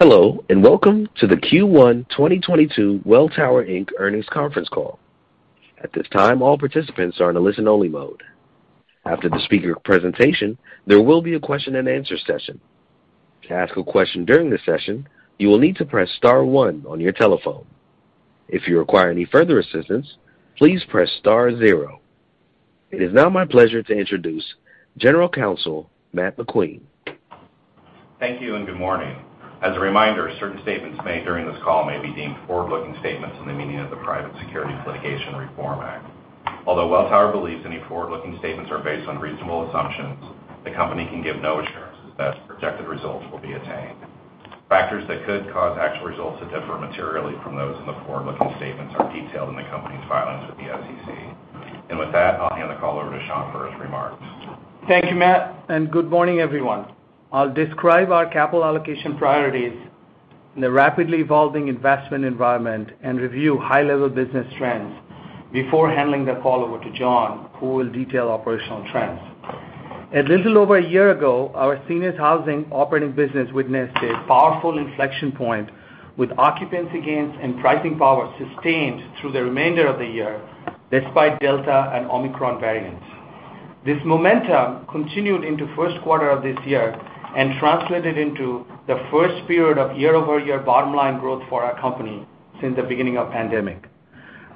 Hello, and welcome to the Q1 2022 Welltower Inc. earnings conference call. At this time, all participants are in a listen-only mode. After the speaker presentation, there will be a question-and-answer session. To ask a question during the session, you will need to press star one on your telephone. If you require any further assistance, please press star zero. It is now my pleasure to introduce General Counsel, Matt McQueen. Thank you and good morning. As a reminder, certain statements made during this call may be deemed forward-looking statements in the meaning of the Private Securities Litigation Reform Act. Although Welltower believes any forward-looking statements are based on reasonable assumptions, the company can give no assurances that projected results will be attained. Factors that could cause actual results to differ materially from those in the forward-looking statements are detailed in the company's filings with the SEC. With that, I'll hand the call over to Shankh for his remarks. Thank you, Matt, and good morning, everyone. I'll describe our capital allocation priorities in the rapidly evolving investment environment and review high-level business trends before handing the call over to John, who will detail operational trends. A little over a year ago, our seniors housing operating business witnessed a powerful inflection point with occupancy gains and pricing power sustained through the remainder of the year despite Delta and Omicron variants. This momentum continued into first quarter of this year and translated into the first period of YoY bottom line growth for our company since the beginning of pandemic.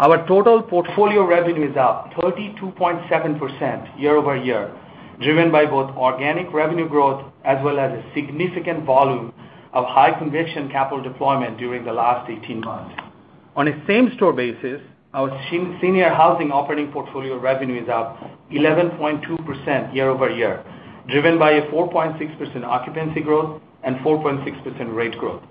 Our total portfolio revenue is up 32.7% YoY, driven by both organic revenue growth as well as a significant volume of high conviction capital deployment during the last 18 months. On a same-store basis, our senior housing operating portfolio revenue is up 11.2% YoY, driven by a 4.6% occupancy growth and 4.6% rate growth.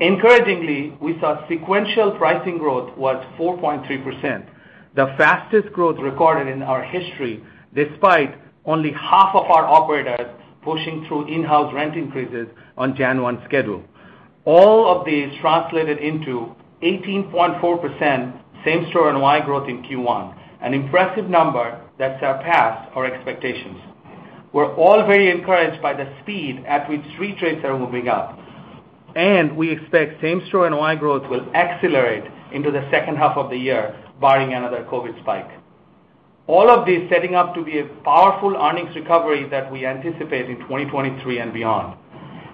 Encouragingly, we saw sequential pricing growth was 4.3%, the fastest growth recorded in our history, despite only half of our operators pushing through in-house rent increases on January 1 schedule. All of these translated into 18.4% same-store NOI growth in Q1, an impressive number that surpassed our expectations. We're all very encouraged by the speed at which re-trades are moving up, and we expect same-store NOI growth will accelerate into the second half of the year, barring another COVID spike. All of this setting up to be a powerful earnings recovery that we anticipate in 2023 and beyond.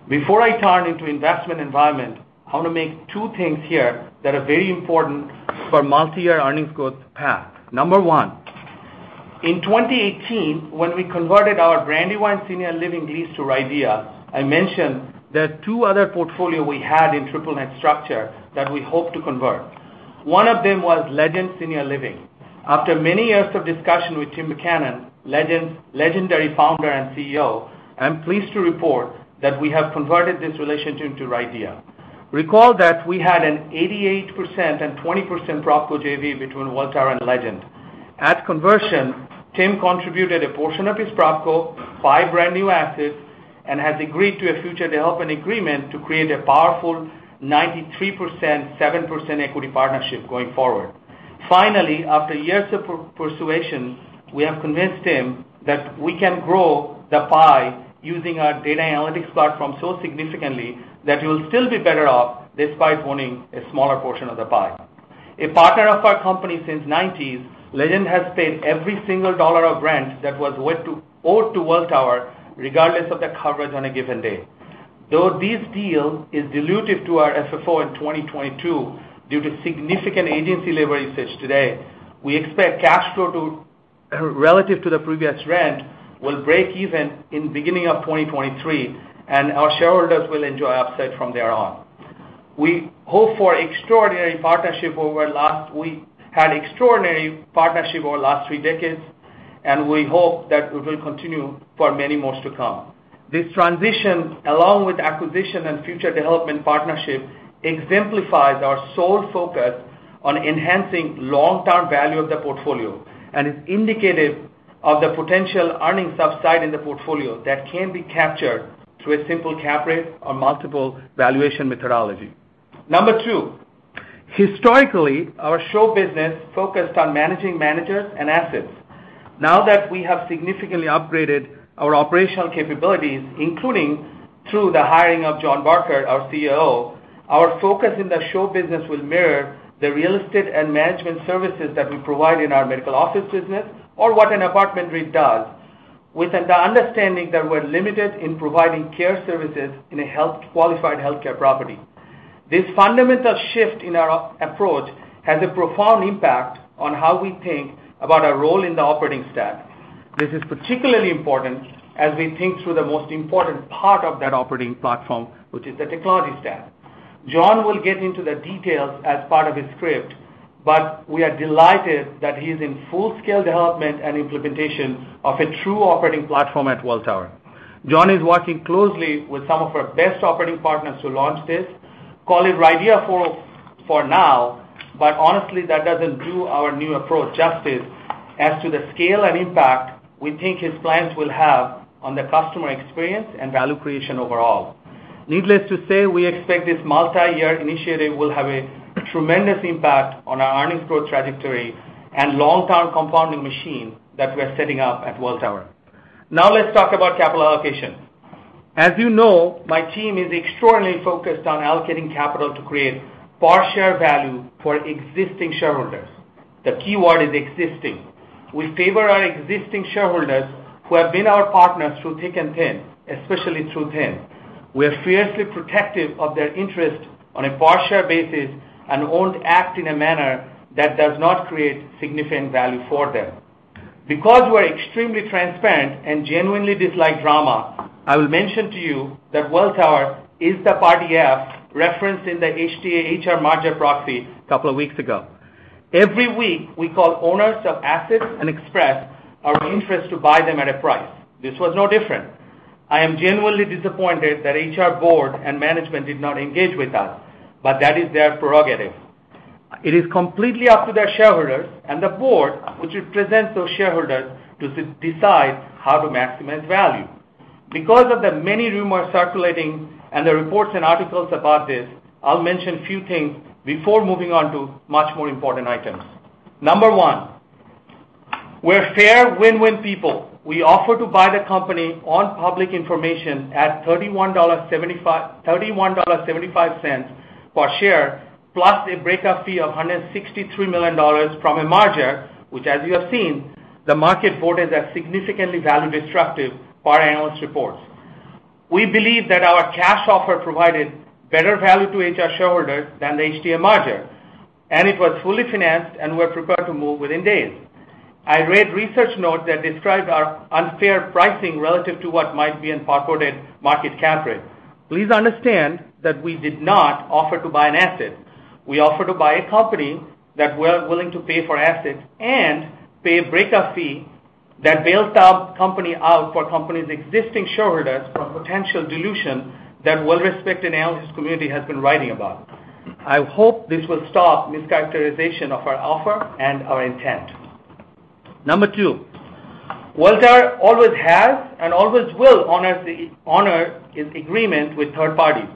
Before I turn to the investment environment, I want to mention two things here that are very important for multi-year earnings growth path. Number one, in 2018, when we converted our Brandywine Senior Living lease to RIDEA, I mentioned there are two other portfolios we had in triple net structure that we hope to convert. One of them was Legend Senior Living. After many years of discussion with Tim Buchanan, Legend's legendary founder and CEO, I'm pleased to report that we have converted this relationship into RIDEA. Recall that we had an 88% and 20% PropCo JV between Welltower and Legend. At conversion, Tim contributed a portion of his PropCo, five brand new assets, and has agreed to a future development agreement to create a powerful 93%, 7% equity partnership going forward. Finally, after years of persuasion, we have convinced him that we can grow the pie using our data analytics platform so significantly that he will still be better off despite owning a smaller portion of the pie. A partner of our company since the 1990s, Legend has paid every single dollar of rent that was owed to Welltower, regardless of the coverage on a given day. Though this deal is dilutive to our FFO in 2022 due to significant agency leverage fees today, we expect cash flow relative to the previous rent will break even in the beginning of 2023, and our shareholders will enjoy upside from there on. We had extraordinary partnership over the last three decades, and we hope that we will continue for many more to come. This transition, along with acquisition and future development partnership, exemplifies our sole focus on enhancing long-term value of the portfolio and is indicative of the potential earnings upside in the portfolio that can be captured through a simple cap rate or multiple valuation methodology. Number two, historically, our SHO business focused on managing managers and assets. Now that we have significantly upgraded our operational capabilities, including through the hiring of John Burkart, our COO, our focus in the SHO business will mirror the real estate and management services that we provide in our medical office business or what an apartment REIT does, within the understanding that we're limited in providing care services in a health-qualified healthcare property. This fundamental shift in our approach has a profound impact on how we think about our role in the operating stack. This is particularly important as we think through the most important part of that operating platform, which is the technology stack. John will get into the details as part of his script, but we are delighted that he's in full scale development and implementation of a true operating platform at Welltower. John is working closely with some of our best operating partners to launch this. Call it RIDEA for now, but honestly, that doesn't do our new approach justice as to the scale and impact we think his plans will have on the customer experience and value creation overall. Needless to say, we expect this multi-year initiative will have a tremendous impact on our earnings growth trajectory and long-term compounding machine that we're setting up at Welltower. Now let's talk about capital allocation. As you know, my team is extraordinarily focused on allocating capital to create per share value for existing shareholders. The keyword is existing. We favor our existing shareholders who have been our partners through thick and thin, especially through thin. We are fiercely protective of their interest on a per share basis and won't act in a manner that does not create significant value for them. Because we're extremely transparent and genuinely dislike drama, I will mention to you that Welltower is the Party F referenced in the HTA/HR merger proxy a couple of weeks ago. Every week, we call owners of assets and express our interest to buy them at a price. This was no different. I am genuinely disappointed that HR board and management did not engage with us, but that is their prerogative. It is completely up to their shareholders and the board, which represents those shareholders to decide how to maximize value. Because of the many rumors circulating and the reports and articles about this, I'll mention a few things before moving on to much more important items. Number one, we're fair win-win people. We offered to buy the company on public information at $31.75 per share, plus a breakup fee of $163 million from a merger, which as you have seen, the market viewed as a significantly value-destructive per analyst reports. We believe that our cash offer provided better value to HR shareholders than the HTA merger, and it was fully financed, and we're prepared to move within days. I read research notes that described our unfair pricing relative to what might be a purported market cap rate. Please understand that we did not offer to buy an asset. We offered to buy a company that we're willing to pay for assets and pay a breakup fee that bails the company out for the company's existing shareholders from potential dilution that well-respected analyst community has been writing about. I hope this will stop mischaracterization of our offer and our intent. Number two, Welltower always has and always will honor its agreement with third parties,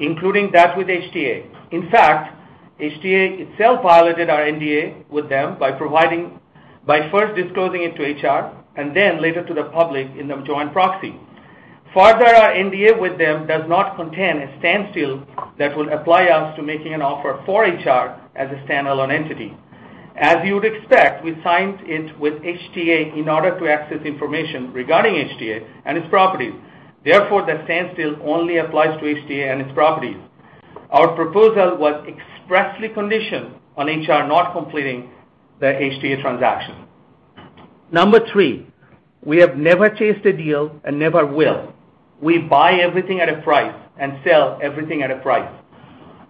including that with HTA. In fact, HTA itself violated our NDA with them by first disclosing it to HR and then later to the public in the joint proxy. Further, our NDA with them does not contain a standstill that will apply to us making an offer for HR as a standalone entity. As you would expect, we signed it with HTA in order to access information regarding HTA and its properties. Therefore, the standstill only applies to HTA and its properties. Our proposal was expressly conditioned on HR not completing the HTA transaction. Number three, we have never chased a deal and never will. We buy everything at a price and sell everything at a price.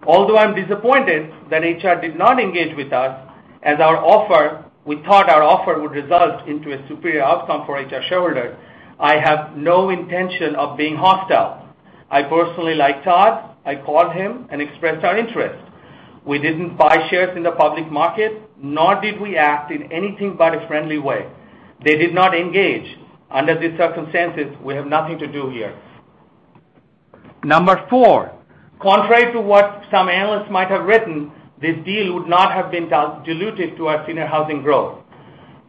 Although I'm disappointed that HR did not engage with us, we thought our offer would result in a superior outcome for HR shareholders, I have no intention of being hostile. I personally like Todd. I called him and expressed our interest. We didn't buy shares in the public market, nor did we act in anything but a friendly way. They did not engage. Under these circumstances, we have nothing to do here. Number four, contrary to what some analysts might have written, this deal would not have been dilutive to our senior housing growth.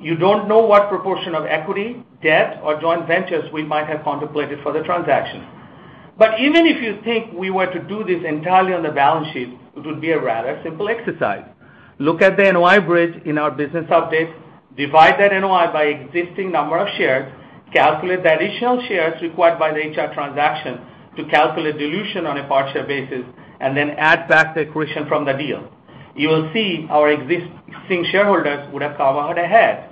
You don't know what proportion of equity, debt, or joint ventures we might have contemplated for the transaction. But even if you think we were to do this entirely on the balance sheet, it would be a rather simple exercise. Look at the NOI bridge in our business updates. Divide that NOI by existing number of shares. Calculate the additional shares required by the HR transaction to calculate dilution on a per share basis, and then add back the accretion from the deal. You will see our existing shareholders would have come out ahead.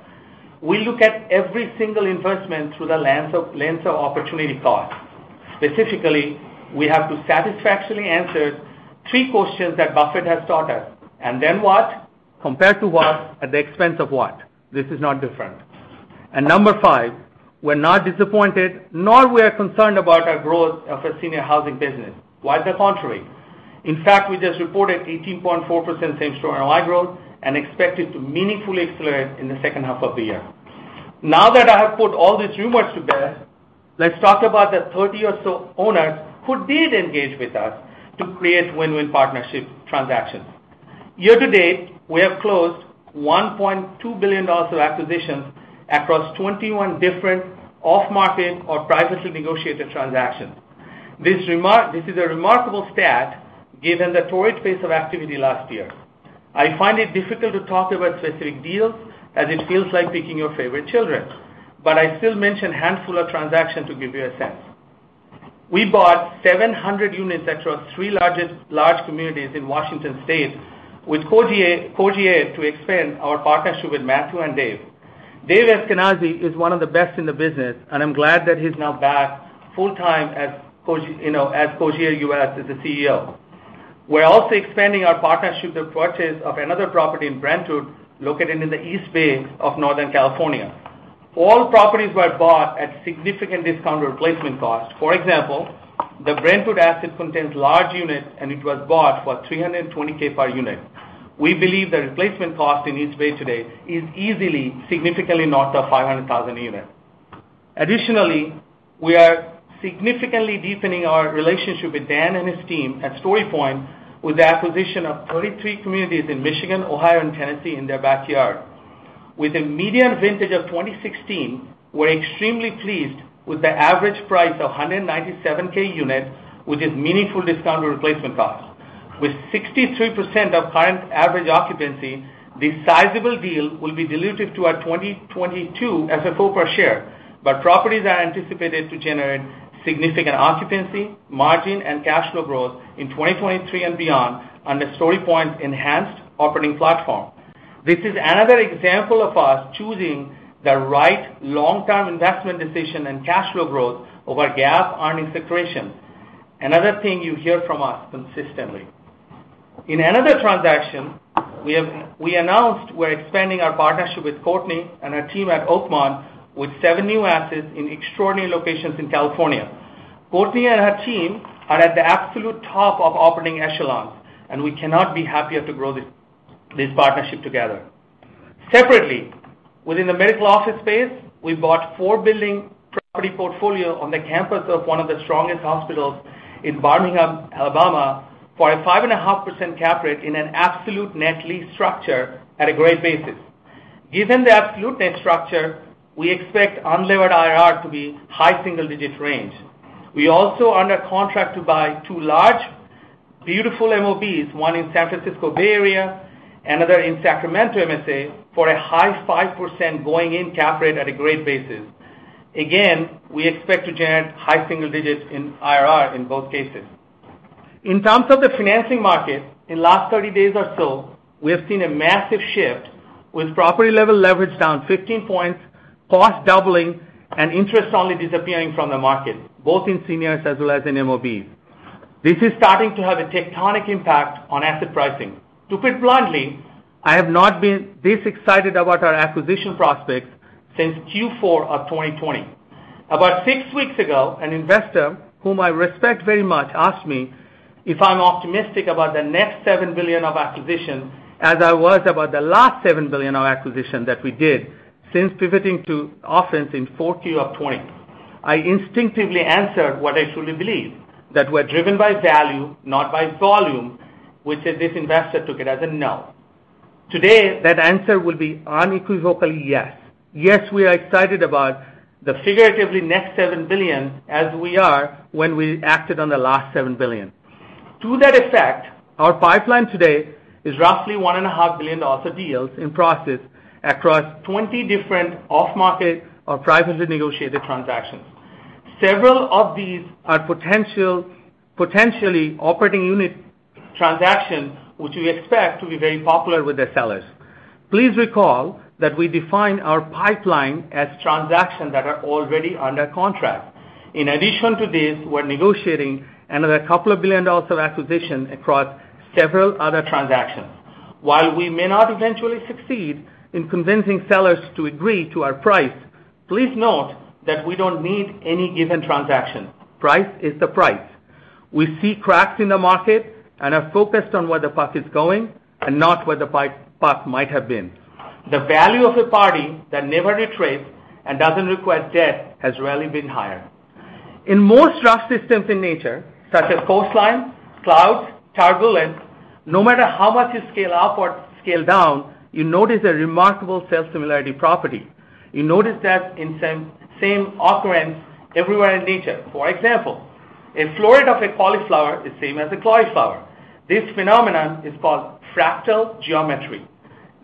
We look at every single investment through the lens of opportunity cost. Specifically, we have to satisfactorily answer three questions that Buffett has taught us. Then what? Compared to what? At the expense of what? This is not different. Number five, we're not disappointed, nor are we concerned about our growth of our senior housing business. Quite the contrary. In fact, we just reported 18.4% same-store NOI growth and expect it to meaningfully accelerate in the second half of the year. Now that I have put all these rumors to bed, let's talk about the 30 or so owners who did engage with us to create win-win partnership transactions. Year to date, we have closed $1.2 billion of acquisitions across 21 different off-market or privately negotiated transactions. This is a remarkable stat given the torrid pace of activity last year. I find it difficult to talk about specific deals as it feels like picking your favorite children. I still mention handful of transaction to give you a sense. We bought 700 units across three large communities in Washington state with Cogir to expand our partnership with Matthew and Dave. Dave Eskenazi is one of the best in the business, and I'm glad that he's now back full-time as Cogir, you know, as Cogir US as the CEO. We're also expanding our partnership with purchase of another property in Brentwood located in the East Bay of Northern California. All properties were bought at significant discount replacement cost. For example, the Brentwood asset contains large units, and it was bought for $320k per unit. We believe the replacement cost in East Bay today is easily significantly north of $500,000 a unit. We are significantly deepening our relationship with Dan and his team at StoryPoint with the acquisition of 33 communities in Michigan, Ohio, and Tennessee in their backyard. With a median vintage of 2016, we're extremely pleased with the average price of $197k per unit, which is meaningful discount to replacement cost. With 63% of current average occupancy, this sizable deal will be dilutive to our 2022 FFO per share. Properties are anticipated to generate significant occupancy, margin, and cash flow growth in 2023 and beyond under StoryPoint's enhanced operating platform. This is another example of us choosing the right long-term investment decision and cash flow growth over GAAP earnings accretion. Another thing you hear from us consistently. In another transaction, we announced we're expanding our partnership with Courtney and her team at Oakmont with seven new assets in extraordinary locations in California. Courtney and her team are at the absolute top of operating echelons, and we cannot be happier to grow this partnership together. Separately, within the medical office space, we bought four-building property portfolio on the campus of one of the strongest hospitals in Birmingham, Alabama, for a 5.5% cap rate in an absolute net lease structure at a great basis. Given the absolute net structure, we expect unlevered IRR to be high single-digit range. We are also under contract to buy two large, beautiful MOBs, one in San Francisco Bay Area, another in Sacramento MSA, for a high 5% going-in cap rate at a great basis. Again, we expect to generate high single digits in IRR in both cases. In terms of the financing market, in the last 30 days or so, we have seen a massive shift, with property level leverage down 15 points, cost doubling, and interest-only disappearing from the market, both in seniors as well as in MOB. This is starting to have a tectonic impact on asset pricing. To put bluntly, I have not been this excited about our acquisition prospects since Q4 of 2020. About six weeks ago, an investor whom I respect very much asked me if I'm optimistic about the next $7 billion of acquisition as I was about the last $7 billion of acquisition that we did since pivoting to offense in 4Q of 2020. I instinctively answered what I truly believe, that we're driven by value, not by volume, which this investor took it as a no. Today, that answer will be unequivocally yes. Yes, we are excited about the figuratively next $7 billion as we are when we acted on the last $7 billion. To that effect, our pipeline today is roughly $1.5 billion of deals in process across 20 different off-market or privately negotiated transactions. Several of these are potentially operating unit transactions, which we expect to be very popular with the sellers. Please recall that we define our pipeline as transactions that are already under contract. In addition to this, we're negotiating another couple of $2 billion of acquisition across several other transactions. While we may not eventually succeed in convincing sellers to agree to our price, please note that we don't need any given transaction. Price is the price. We see cracks in the market and are focused on where the puck is going and not where the puck might have been. The value of a party that never retreats and doesn't require debt has rarely been higher. In most rough systems in nature, such as coastline, clouds, turbulence, no matter how much you scale up or scale down, you notice a remarkable self-similarity property. You notice that in same occurrence everywhere in nature. For example, a floret of a cauliflower is same as a cauliflower. This phenomenon is called fractal geometry.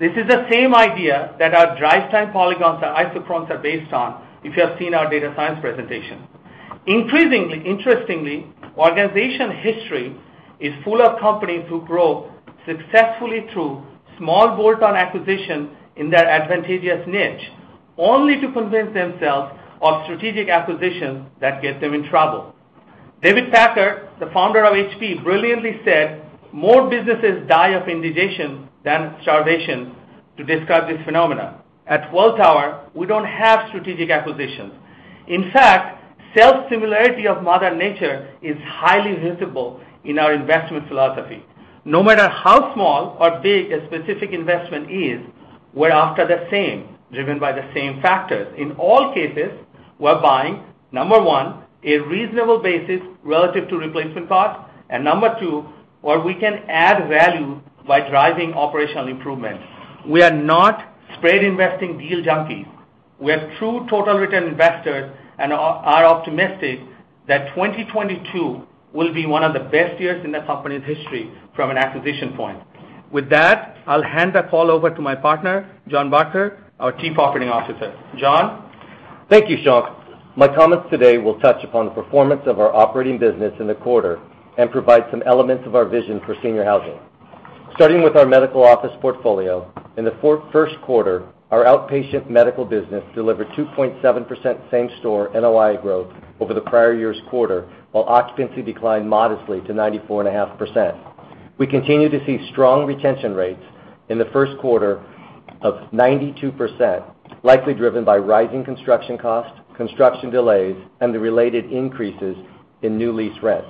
This is the same idea that our drive time polygons or isochrones are based on if you have seen our data science presentation. Increasingly, interestingly, organization history is full of companies who grow successfully through small bolt-on acquisitions in their advantageous niche, only to convince themselves of strategic acquisitions that get them in trouble. David Packard, the founder of HP, brilliantly said, "More businesses die of indigestion than starvation," to describe this phenomenon. At Welltower, we don't have strategic acquisitions. In fact, self-similarity of mother nature is highly visible in our investment philosophy. No matter how small or big a specific investment is, we're after the same, driven by the same factors. In all cases, we're buying, number one, a reasonable basis relative to replacement cost, and number two, where we can add value by driving operational improvements. We are not spread investing deal junkies. We are true total return investors and are optimistic that 2022 will be one of the best years in the company's history from an acquisition point. With that, I'll hand the call over to my partner, John Burkart, our Chief Operating Officer. John? Thank you, Shankh. My comments today will touch upon the performance of our operating business in the quarter and provide some elements of our vision for senior housing. Starting with our medical office portfolio, in the first quarter, our outpatient medical business delivered 2.7% same-store NOI growth over the prior year's quarter, while occupancy declined modestly to 94.5%. We continue to see strong retention rates in the first quarter of 92%, likely driven by rising construction costs, construction delays, and the related increases in new lease rents.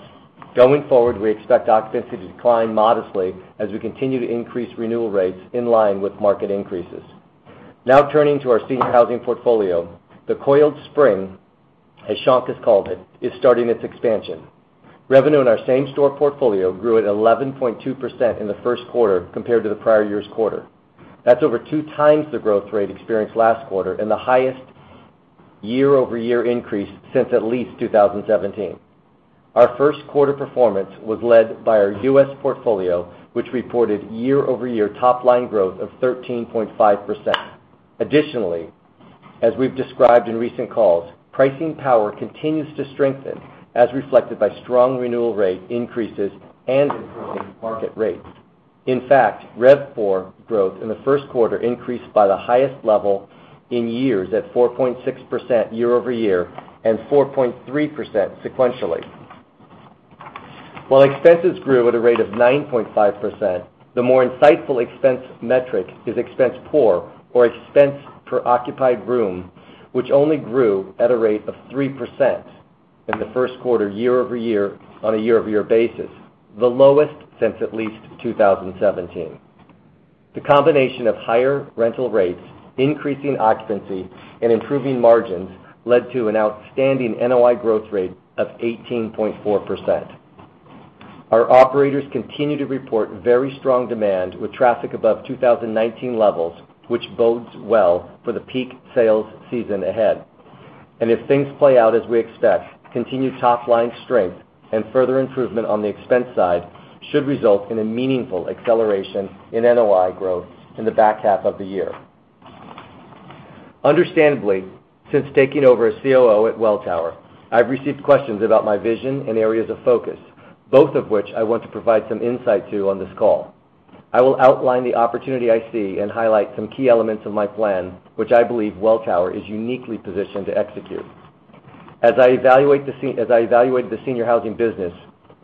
Going forward, we expect occupancy to decline modestly as we continue to increase renewal rates in line with market increases. Now turning to our senior housing portfolio. The coiled spring, as Shankh has called it, is starting its expansion. Revenue in our same store portfolio grew at 11.2% in the first quarter compared to the prior year's quarter. That's over two times the growth rate experienced last quarter and the highest YoY increase since at least 2017. Our first quarter performance was led by our U.S. portfolio, which reported YoY top line growth of 13.5%. Additionally, as we've described in recent calls, pricing power continues to strengthen, as reflected by strong renewal rate increases and improving market rates. In fact, RevPOR growth in the first quarter increased by the highest level in years, at 4.6% YoY and 4.3% sequentially. While expenses grew at a rate of 9.5%, the more insightful expense metric is expense POR, or expense per occupied room, which only grew at a rate of 3% in the first quarter YoY on a YoY basis, the lowest since at least 2017. The combination of higher rental rates, increasing occupancy, and improving margins led to an outstanding NOI growth rate of 18.4%. Our operators continue to report very strong demand with traffic above 2019 levels, which bodes well for the peak sales season ahead. If things play out as we expect, continued top line strength and further improvement on the expense side should result in a meaningful acceleration in NOI growth in the back half of the year. Understandably, since taking over as COO at Welltower, I've received questions about my vision and areas of focus, both of which I want to provide some insight to on this call. I will outline the opportunity I see and highlight some key elements of my plan, which I believe Welltower is uniquely positioned to execute. As I evaluate the senior housing business,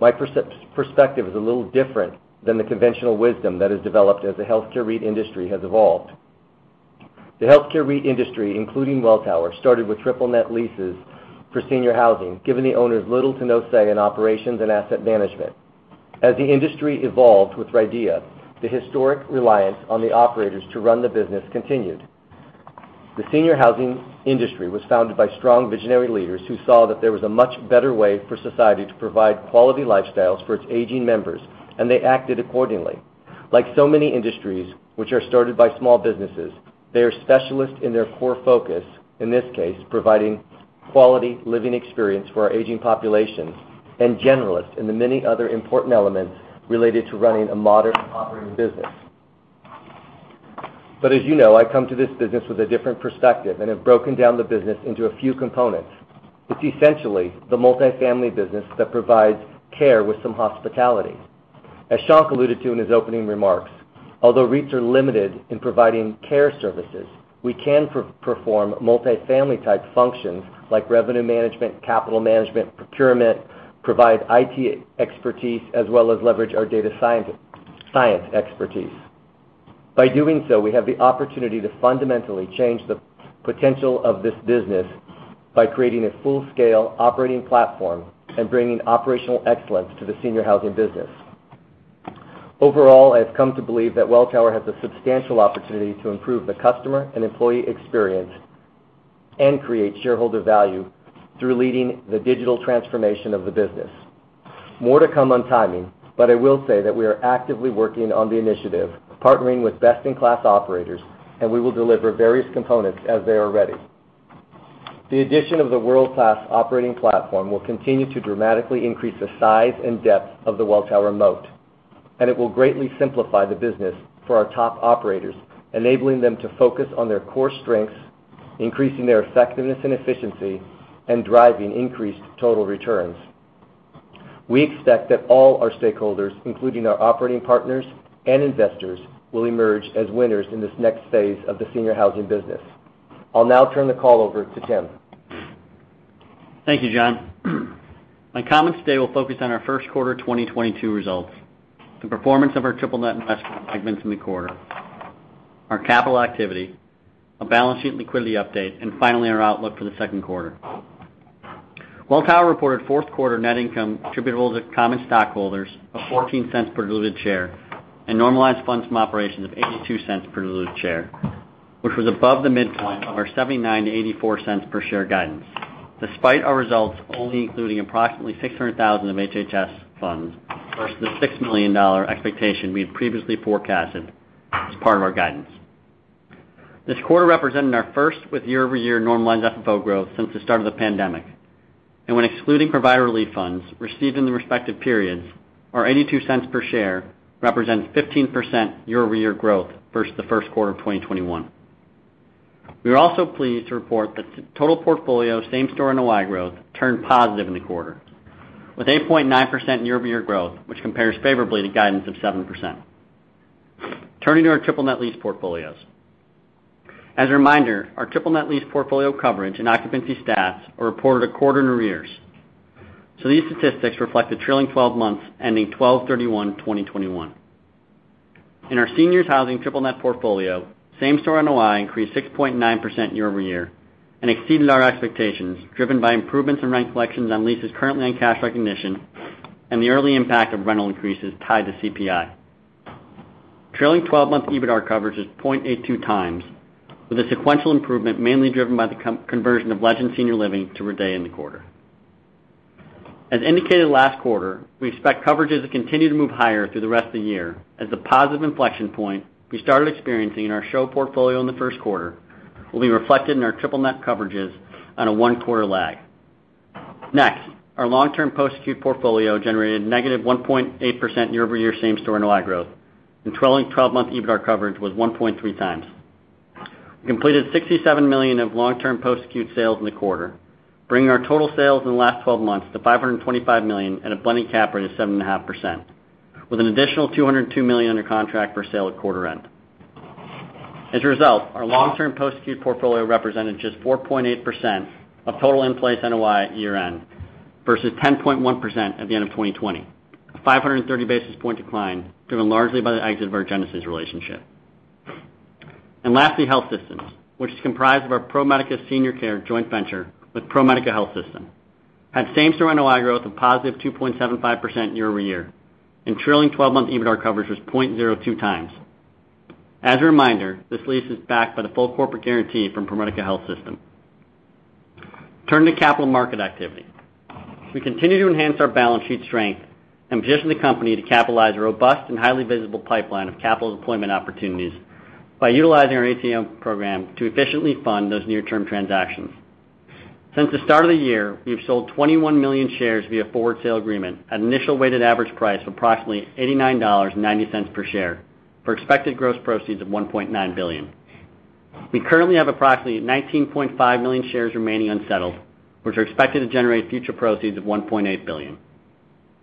my perspective is a little different than the conventional wisdom that has developed as the healthcare REIT industry has evolved. The healthcare REIT industry, including Welltower, started with triple net leases for senior housing, giving the owners little to no say in operations and asset management. As the industry evolved with RIDEA, the historic reliance on the operators to run the business continued. The senior housing industry was founded by strong visionary leaders who saw that there was a much better way for society to provide quality lifestyles for its aging members, and they acted accordingly. Like so many industries which are started by small businesses, they are specialists in their core focus, in this case, providing quality living experience for our aging populations, and generalists in the many other important elements related to running a modern operating business. As you know, I come to this business with a different perspective and have broken down the business into a few components. It's essentially the multifamily business that provides care with some hospitality. As Shankh alluded to in his opening remarks, although REITs are limited in providing care services, we can perform multifamily type functions like revenue management, capital management, procurement, provide IT expertise, as well as leverage our data science expertise. By doing so, we have the opportunity to fundamentally change the potential of this business by creating a full-scale operating platform and bringing operational excellence to the senior housing business. Overall, I've come to believe that Welltower has a substantial opportunity to improve the customer and employee experience and create shareholder value through leading the digital transformation of the business. More to come on timing, but I will say that we are actively working on the initiative, partnering with best-in-class operators, and we will deliver various components as they are ready. The addition of the world-class operating platform will continue to dramatically increase the size and depth of the Welltower moat, and it will greatly simplify the business for our top operators, enabling them to focus on their core strengths, increasing their effectiveness and efficiency, and driving increased total returns. We expect that all our stakeholders, including our operating partners and investors, will emerge as winners in this next phase of the senior housing business. I'll now turn the call over to Tim. Thank you, John. My comments today will focus on our first quarter 2022 results, the performance of our triple net investment segments in the quarter, our capital activity, a balance sheet liquidity update, and finally, our outlook for the second quarter. Welltower reported fourth quarter net income attributable to common stockholders of $0.14 per diluted share and normalized funds from operations of $0.82 per diluted share, which was above the midpoint of our $0.79-$0.84 per share guidance, despite our results only including approximately $600,000 of HHS funds versus the $6 million expectation we had previously forecasted as part of our guidance. This quarter represented our first with YoY normalized FFO growth since the start of the pandemic. When excluding provider relief funds received in the respective periods, our $0.82 per share represents 15% YoY growth versus the first quarter of 2021. We are also pleased to report that total portfolio same store NOI growth turned positive in the quarter, with 8.9% YoY growth, which compares favorably to guidance of 7%. Turning to our triple net lease portfolios. As a reminder, our triple net lease portfolio coverage and occupancy stats are reported a quarter in arrears. These statistics reflect the trailing twelve months ending 12/31/2021. In our senior housing triple net portfolio, same store NOI increased 6.9% YoY and exceeded our expectations, driven by improvements in rent collections on leases currently in cash recognition and the early impact of rental increases tied to CPI. Trailing twelve-month EBITDAR coverage is 0.82x, with a sequential improvement mainly driven by the conversion of Legend Senior Living to RIDEA in the quarter. As indicated last quarter, we expect coverages to continue to move higher through the rest of the year, as the positive inflection point we started experiencing in our SHO portfolio in the first quarter will be reflected in our triple net coverages on a one-quarter lag. Next, our long-term post-acute portfolio generated -1.8% YoY same-store NOI growth, and trailing twelve-month EBITDAR coverage was 1.3x. We completed $67 million of long-term post-acute sales in the quarter, bringing our total sales in the last twelve months to $525 million at a blended cap rate of 7.5%, with an additional $202 million under contract for sale at quarter end. As a result, our long-term post-acute portfolio represented just 4.8% of total in-place NOI at year-end versus 10.1% at the end of 2020. A 530 basis point decline driven largely by the exit of our Genesis relationship. Lastly, Health Systems, which is comprised of our ProMedica Senior Care joint venture with ProMedica Health System, had same-store NOI growth of positive 2.75% YoY, and trailing 12-month EBITDAR coverage was 0.02x. As a reminder, this lease is backed by the full corporate guarantee from ProMedica Health System. Turning to capital markets activity. We continue to enhance our balance sheet strength and position the company to capitalize a robust and highly visible pipeline of capital deployment opportunities by utilizing our ATM program to efficiently fund those near-term transactions. Since the start of the year, we've sold 21 million shares via forward sale agreement at initial weighted average price of approximately $89.90 per share for expected gross proceeds of $1.9 billion. We currently have approximately 19.5 million shares remaining unsettled, which are expected to generate future proceeds of $1.8 billion.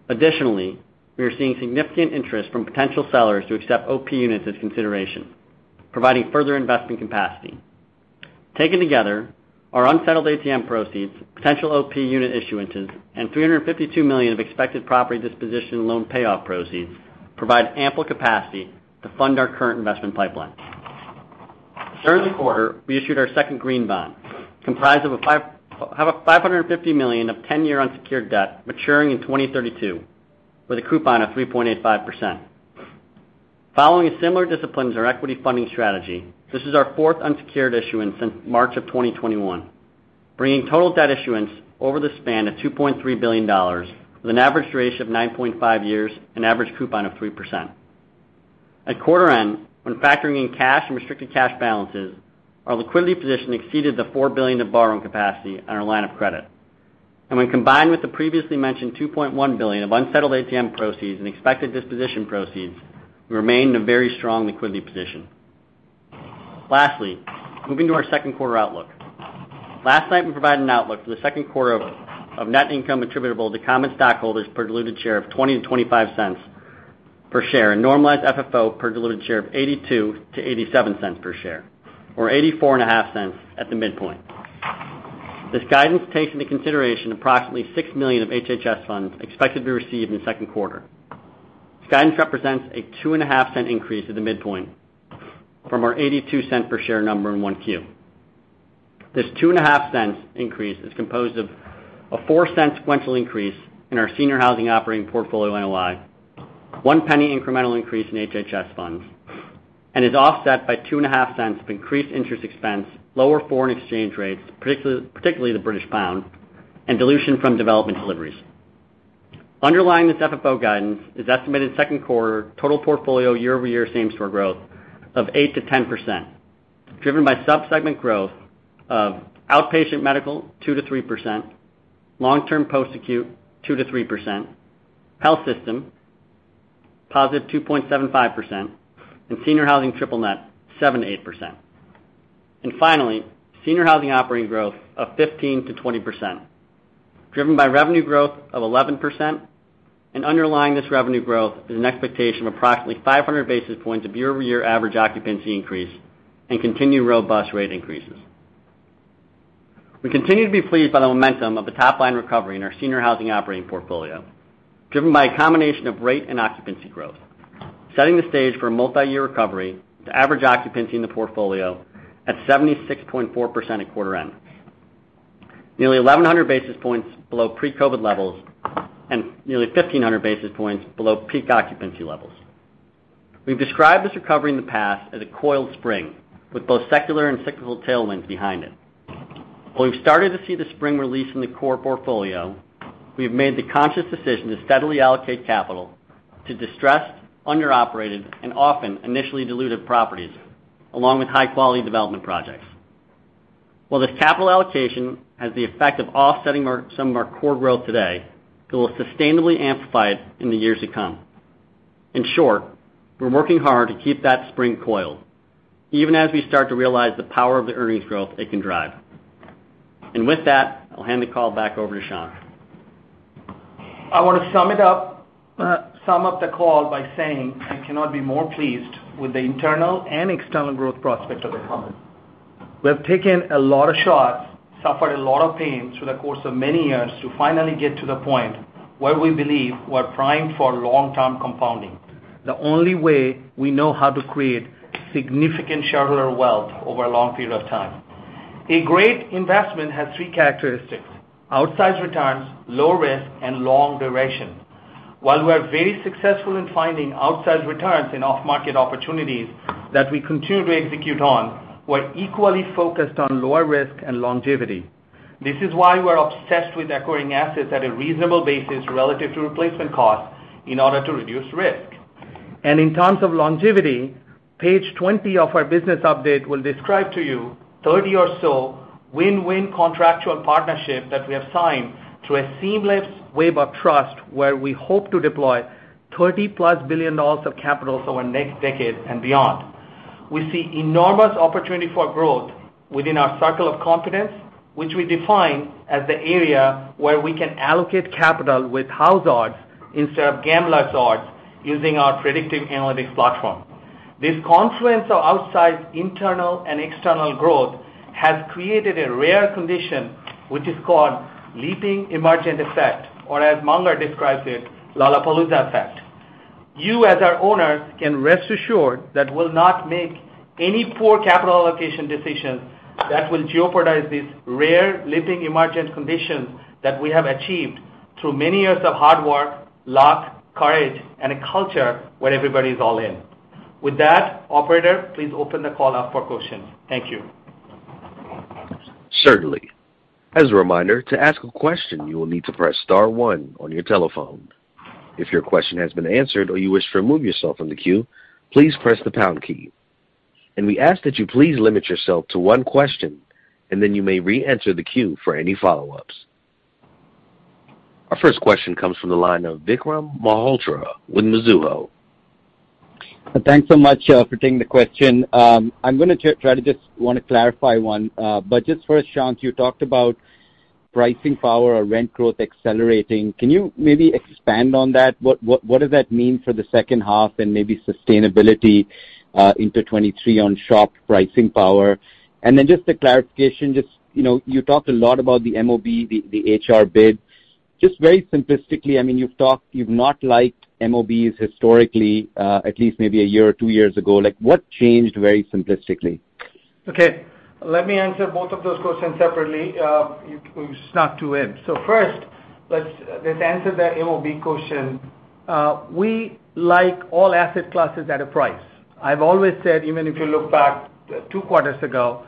Additionally, we are seeing significant interest from potential sellers to accept OP units as consideration, providing further investment capacity. Taken together, our unsettled ATM proceeds, potential OP unit issuances, and $352 million of expected property disposition loan payoff proceeds provide ample capacity to fund our current investment pipeline. During the quarter, we issued our second green bond, comprised of $550 million of ten-year unsecured debt maturing in 2032 with a coupon of 3.85%. Following a similar discipline to our equity funding strategy, this is our 4th unsecured issuance since March of 2021, bringing total debt issuance over the span of $2.3 billion with an average duration of 9.5 years and average coupon of 3%. At quarter end, when factoring in cash and restricted cash balances, our liquidity position exceeded $4 billion of borrowing capacity on our line of credit. When combined with the previously mentioned $2.1 billion of unsettled ATM proceeds and expected disposition proceeds, we remain in a very strong liquidity position. Lastly, moving to our second quarter outlook. Last night, we provided an outlook for the second quarter of net income attributable to common stockholders per diluted share of $0.20-$0.25 per share and normalized FFO per diluted share of $0.82-$0.87 per share, or $0.845 at the midpoint. This guidance takes into consideration approximately $6 million of HHS funds expected to be received in the second quarter. This guidance represents a $0.025 increase at the midpoint from our $0.82 per share number in 1Q. This $0.025 increase is composed of a $0.04 sequential increase in our senior housing operating portfolio NOI, $0.01 incremental increase in HHS funds, and is offset by $0.025 of increased interest expense, lower foreign exchange rates, particularly the British pound, and dilution from development deliveries. Underlying this FFO guidance is estimated second quarter total portfolio YoY same store growth of 8%-10%, driven by sub-segment growth of outpatient medical 2%-3%, long-term post-acute 2%-3%, health system +2.75%, and senior housing triple net 7%-8%. Finally, senior housing operating growth of 15%-20%, driven by revenue growth of 11%. Underlying this revenue growth is an expectation of approximately 500 basis points of YoY average occupancy increase and continued robust rate increases. We continue to be pleased by the momentum of the top line recovery in our senior housing operating portfolio, driven by a combination of rate and occupancy growth, setting the stage for a multi-year recovery to average occupancy in the portfolio at 76.4% at quarter end. Nearly 1,100 basis points below pre-COVID levels and nearly 1,500 basis points below peak occupancy levels. We've described this recovery in the past as a coiled spring, with both secular and cyclical tailwinds behind it. While we've started to see the spring release in the core portfolio, we have made the conscious decision to steadily allocate capital to distressed, under-operated, and often initially diluted properties, along with high-quality development projects. While this capital allocation has the effect of offsetting some of our core growth today, it will sustainably amplify it in the years to come. In short, we're working hard to keep that spring coiled, even as we start to realize the power of the earnings growth it can drive. With that, I'll hand the call back over to Shankh. I want to sum up the call by saying I cannot be more pleased with the internal and external growth prospects of the company. We have taken a lot of shots, suffered a lot of pain through the course of many years to finally get to the point where we believe we're primed for long-term compounding, the only way we know how to create significant shareholder wealth over a long period of time. A great investment has three characteristics, outsized returns, low risk, and long duration. While we are very successful in finding outsized returns in off-market opportunities that we continue to execute on, we're equally focused on lower risk and longevity. This is why we're obsessed with acquiring assets at a reasonable basis relative to replacement costs in order to reduce risk. In terms of longevity, page 20 of our business update will describe to you 30 or so win-win contractual partnerships that we have signed through a seamless wave of trust where we hope to deploy $30+ billion of capital over the next decade and beyond. We see enormous opportunity for growth within our circle of confidence, which we define as the area where we can allocate capital with house odds instead of gambler's odds using our predictive analytics platform. This confluence of outsized internal and external growth has created a rare condition, which is called leaping emergent effect, or as Munger describes it, Lollapalooza effect. You, as our owners, can rest assured that we'll not make any poor capital allocation decisions that will jeopardize this rare leaping emergent condition that we have achieved through many years of hard work, luck, courage, and a culture where everybody is all in. With that, operator, please open the call up for questions. Thank you. Certainly. As a reminder, to ask a question, you will need to press star one on your telephone. If your question has been answered or you wish to remove yourself from the queue, please press the pound key. We ask that you please limit yourself to one question and then you may re-enter the queue for any follow-ups. Our first question comes from the line of Vikram Malhotra with Mizuho. Thanks so much for taking the question. I'm gonna clarify one. Just first, Shankh, you talked about pricing power or rent growth accelerating. Can you maybe expand on that? What does that mean for the second half and maybe sustainability into 2023 on sharp pricing power? And then just a clarification, just, you know, you talked a lot about the MOB, the HR bid. Just very simplistically, I mean, you've not liked MOBs historically, at least maybe a year or two years ago. Like, what changed very simplistically? Okay, let me answer both of those questions separately. It's not two in. First, let's answer the MOB question. We like all asset classes at a price. I've always said, even if you look back two quarters ago,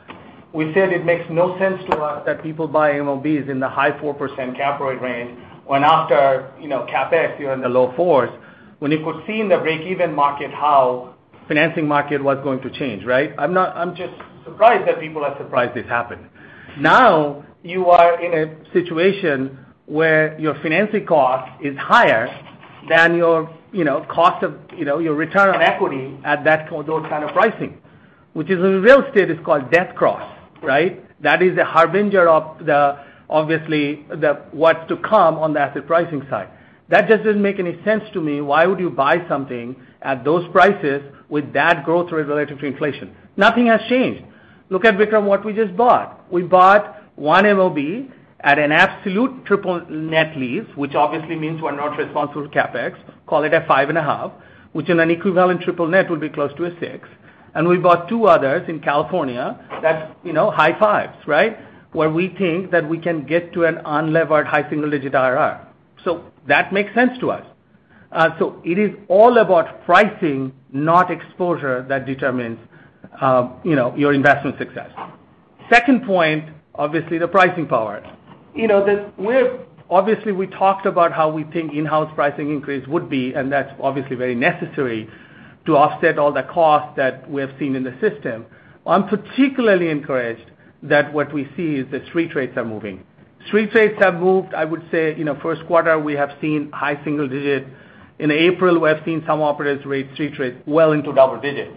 we said it makes no sense to us that people buy MOBs in the high 4% cap rate range when after, you know, CapEx, you're in the low 4s, when you could see in the break-even market how financing market was going to change, right? I'm just surprised that people are surprised this happened. Now, you are in a situation where your financing cost is higher than your, you know, cost of, you know, your return on equity at those kind of pricing, which is, in real estate, it's called death cross, right? That is a harbinger of, obviously, what's to come on the asset pricing side. That doesn't make any sense to me. Why would you buy something at those prices with bad growth rate relative to inflation? Nothing has changed. Look at, Vikram, what we just bought. We bought one MOB at an absolute triple net lease, which obviously means we're not responsible for CapEx, call it a 5.5, which in an equivalent triple net would be close to a 6. And we bought two others in California, that's, you know, high fives, right? Where we think that we can get to an unlevered high single-digit IRR. So that makes sense to us. So it is all about pricing, not exposure, that determines, you know, your investment success. Second point, obviously, the pricing power. You know, obviously, we talked about how we think in-house pricing increase would be, and that's obviously very necessary to offset all the costs that we have seen in the system. I'm particularly encouraged that what we see is the street rates are moving. Street rates have moved, I would say, you know, first quarter, we have seen high single digit. In April, we have seen some operators raise street rates well into double digits,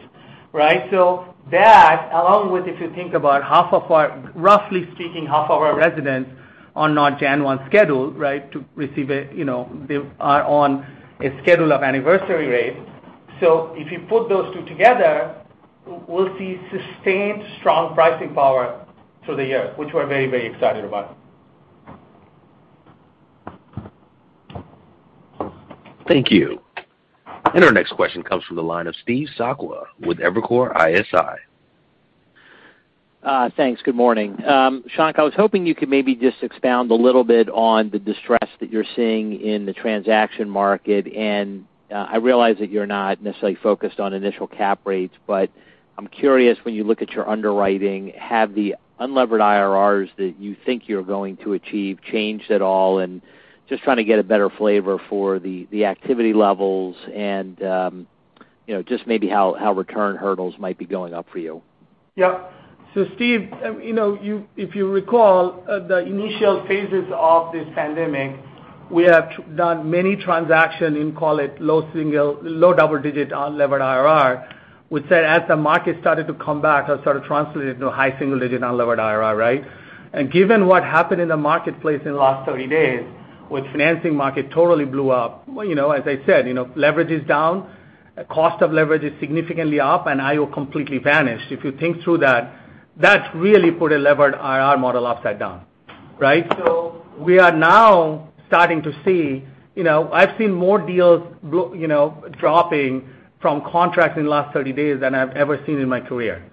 right? So that, along with, if you think about half of our, roughly speaking, half of our residents are not January 1 scheduled, right? To receive a, you know, they are on a schedule of anniversary rate. So if you put those two together, we'll see sustained strong pricing power through the year, which we're very, very excited about. Thank you. Our next question comes from the line of Steve Sakwa with Evercore ISI. Thanks. Good morning. Shankh, I was hoping you could maybe just expound a little bit on the distress that you're seeing in the transaction market. I realize that you're not necessarily focused on initial cap rates, but I'm curious when you look at your underwriting, have the unlevered IRRs that you think you're going to achieve changed at all? Just trying to get a better flavor for the activity levels and just maybe how return hurdles might be going up for you. Yeah. Steve, if you recall, the initial phases of this pandemic, we have done many transactions in, call it, low double-digit unlevered IRR. We said, as the market started to come back, that sort of translated to a high single-digit unlevered IRR, right? Given what happened in the marketplace in the last 30 days, with financing market totally blew up, well, you know, as I said, you know, leverage is down, cost of leverage is significantly up, and IO completely vanished. If you think through that's really put a levered IRR model upside down. Right. We are now starting to see, you know, I've seen more deals go, you know, dropping from contracts in the last 30 days than I've ever seen in my career.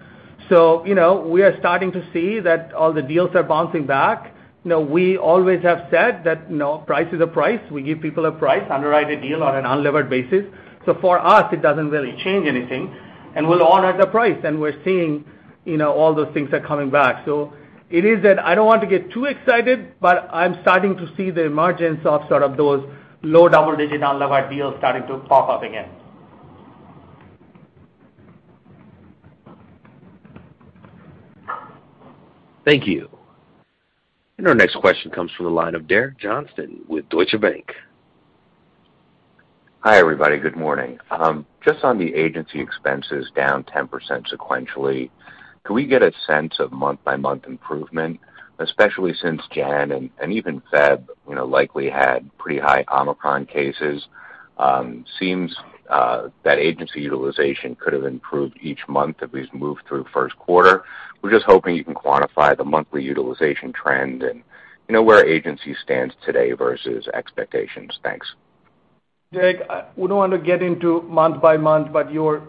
You know, we are starting to see that all the deals are bouncing back. You know, we always have said that, you know, price is a price. We give people a price, underwrite a deal on an unlevered basis. For us, it doesn't really change anything, and we'll honor the price, and we're seeing, you know, all those things are coming back. It is that I don't want to get too excited, but I'm starting to see the emergence of sort of those low double-digit unlevered deals starting to pop up again. Thank you. Our next question comes from the line of Derek Johnston with Deutsche Bank. Hi, everybody. Good morning. Just on the agency expenses down 10% sequentially, can we get a sense of month-by-month improvement, especially since January and even February, you know, likely had pretty high Omicron cases? Seems that agency utilization could have improved each month as we've moved through the first quarter. We're just hoping you can quantify the monthly utilization trend and you know, where agency stands today versus expectations. Thanks. Derek, we don't want to get into month by month, but you're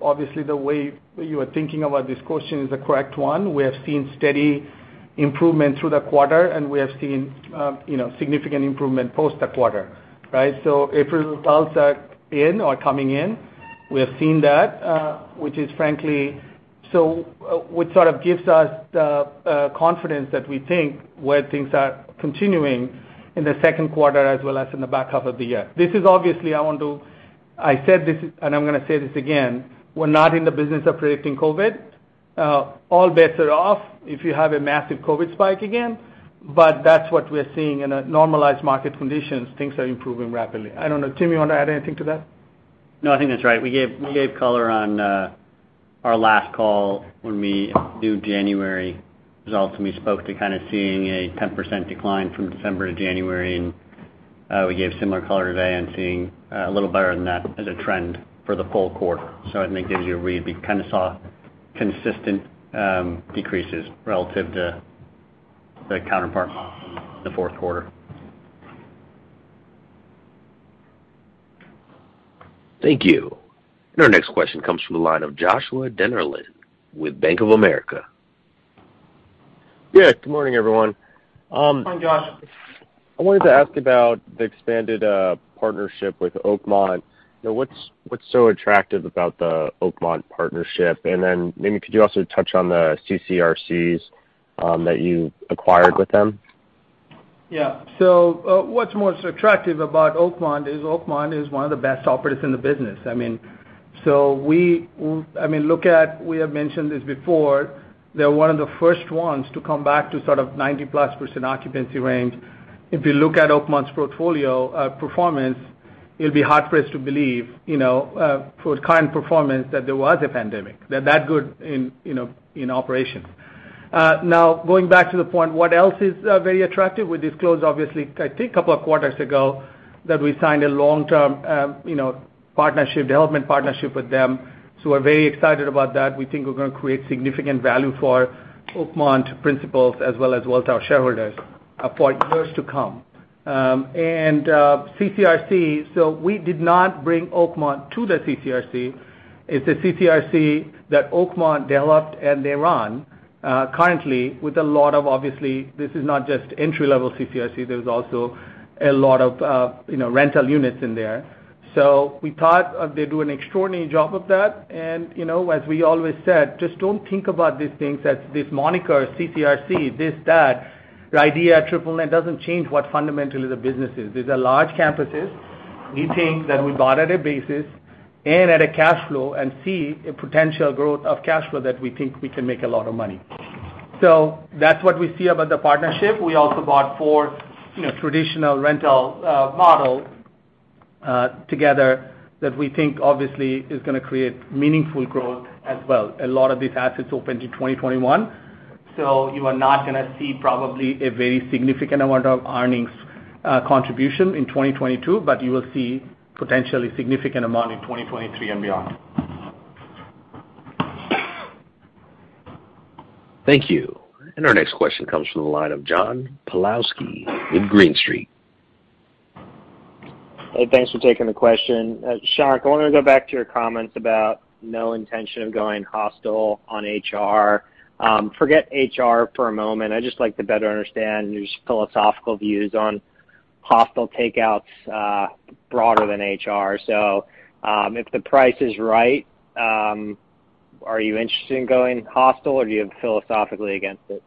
obviously the way you are thinking about this question is the correct one. We have seen steady improvement through the quarter, and we have seen, you know, significant improvement post the quarter, right? April results are in or coming in. We have seen that, which is frankly. Which sort of gives us the confidence that we think where things are continuing in the second quarter as well as in the back half of the year. This is obviously, I want to I said this, and I'm gonna say this again, we're not in the business of predicting COVID. All bets are off if you have a massive COVID spike again. That's what we're seeing in a normalized market conditions, things are improving rapidly. I don't know. Tim, you wanna add anything to that? No, I think that's right. We gave color on our last call when we do January results, and we spoke to kind of seeing a 10% decline from December to January. We gave similar color today and seeing a little better than that as a trend for the full quarter. I think gives you a read. We kinda saw consistent decreases relative to the counterpart month in the fourth quarter. Thank you. Our next question comes from the line of Joshua Dennerlein with Bank of America. Yeah. Good morning, everyone. Morning, Josh. I wanted to ask about the expanded partnership with Oakmont. You know, what's so attractive about the Oakmont partnership? Maybe could you also touch on the CCRCs that you acquired with them? Yeah. What's most attractive about Oakmont is Oakmont is one of the best operators in the business. I mean, we have mentioned this before. They're one of the first ones to come back to sort of 90%+ occupancy range. If you look at Oakmont's portfolio performance, you'll be hard-pressed to believe, you know, for current performance that there was a pandemic. They're that good in, you know, in operations. Now going back to the point, what else is very attractive? We disclosed obviously, I think a couple of quarters ago, that we signed a long-term, you know, partnership, development partnership with them. We're very excited about that. We think we're gonna create significant value for Oakmont principals as well as Welltower shareholders for years to come. CCRC. We did not bring Oakmont to the CCRC. It's a CCRC that Oakmont developed and they run currently. Obviously, this is not just entry-level CCRC. There's also a lot of, you know, rental units in there. We thought they do an extraordinary job of that. You know, as we always said, just don't think about these things as this moniker, CCRC, this, that. The idea at triple net doesn't change what fundamentally the business is. These are large campuses. We think that we bought at a basis and at a cash flow and see a potential growth of cash flow that we think we can make a lot of money. That's what we see about the partnership. We also bought four, you know, traditional rental models together that we think obviously is gonna create meaningful growth as well. A lot of these assets opened in 2021, so you are not gonna see probably a very significant amount of earnings contribution in 2022, but you will see potentially significant amount in 2023 and beyond. Thank you. Our next question comes from the line of John Pawlowski with Green Street. Hey, thanks for taking the question. Shankh, I wanna go back to your comments about no intention of going hostile on HR. Forget HR for a moment. I'd just like to better understand your philosophical views on hostile takeovers, broader than HR. If the price is right, are you interested in going hostile, or are you philosophically against it?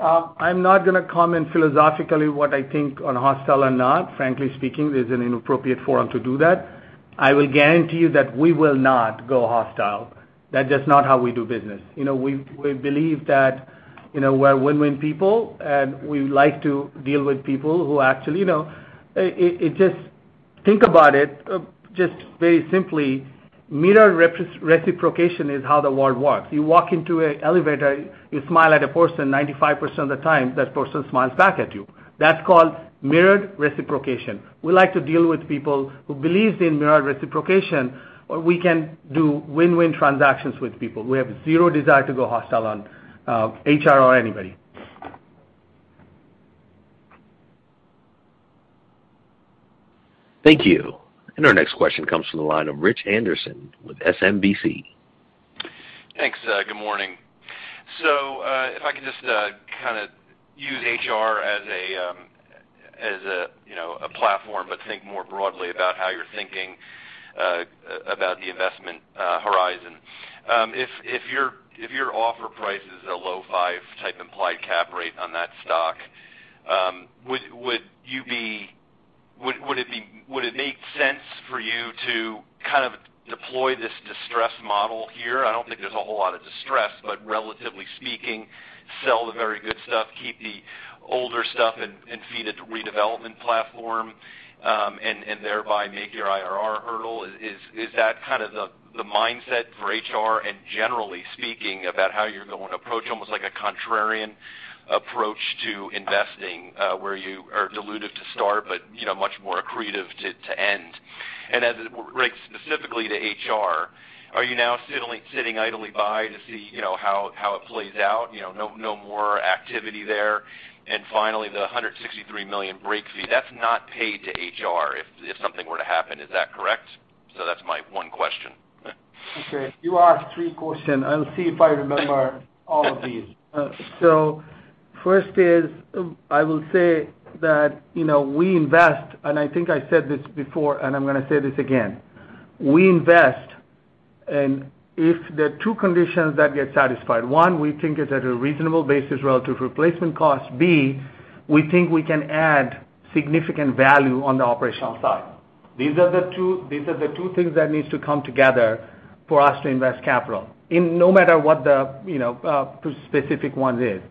I'm not gonna comment philosophically what I think on hostile or not. Frankly speaking, this is an inappropriate forum to do that. I will guarantee you that we will not go hostile. That's just not how we do business. You know, we believe that, you know, we're win-win people, and we like to deal with people who actually, you know, just think about it very simply. Reciprocation is how the world works. You walk into an elevator, you smile at a person, 95% of the time, that person smiles back at you. That's called mirrored reciprocation. We like to deal with people who believes in mirrored reciprocation, where we can do win-win transactions with people. We have zero desire to go hostile on HR or anybody. Thank you. Our next question comes from the line of Rich Anderson with SMBC. Thanks. Good morning. If I could just kinda use HR as a, you know, a platform, but think more broadly about how you're thinking about the investment horizon. If your offer price is a low five type implied cap rate on that stock, would it make sense for you to kind of deploy this distressed model here? I don't think there's a whole lot of distress, but relatively speaking, sell the very good stuff, keep the older stuff and feed it to redevelopment platform, and thereby make your IRR hurdle. Is that kind of the mindset for HR and generally speaking about how you're going to approach almost like a contrarian approach to investing, where you are dilutive to start, but you know, much more accretive to end? As it relates specifically to HR, are you now sitting idly by to see, you know, how it plays out, you know, no more activity there? Finally, the $163 million break fee, that's not paid to HR if something were to happen, is that correct? That's my one question. Okay. You asked three questions. I'll see if I remember all of these. First is, I will say that, you know, we invest, and I think I said this before, and I'm gonna say this again. We invest, and if there are two conditions that get satisfied, one, we think it's at a reasonable basis relative replacement cost. B, we think we can add significant value on the operational side. These are the two things that needs to come together for us to invest capital in no matter what the, you know, specific ones is.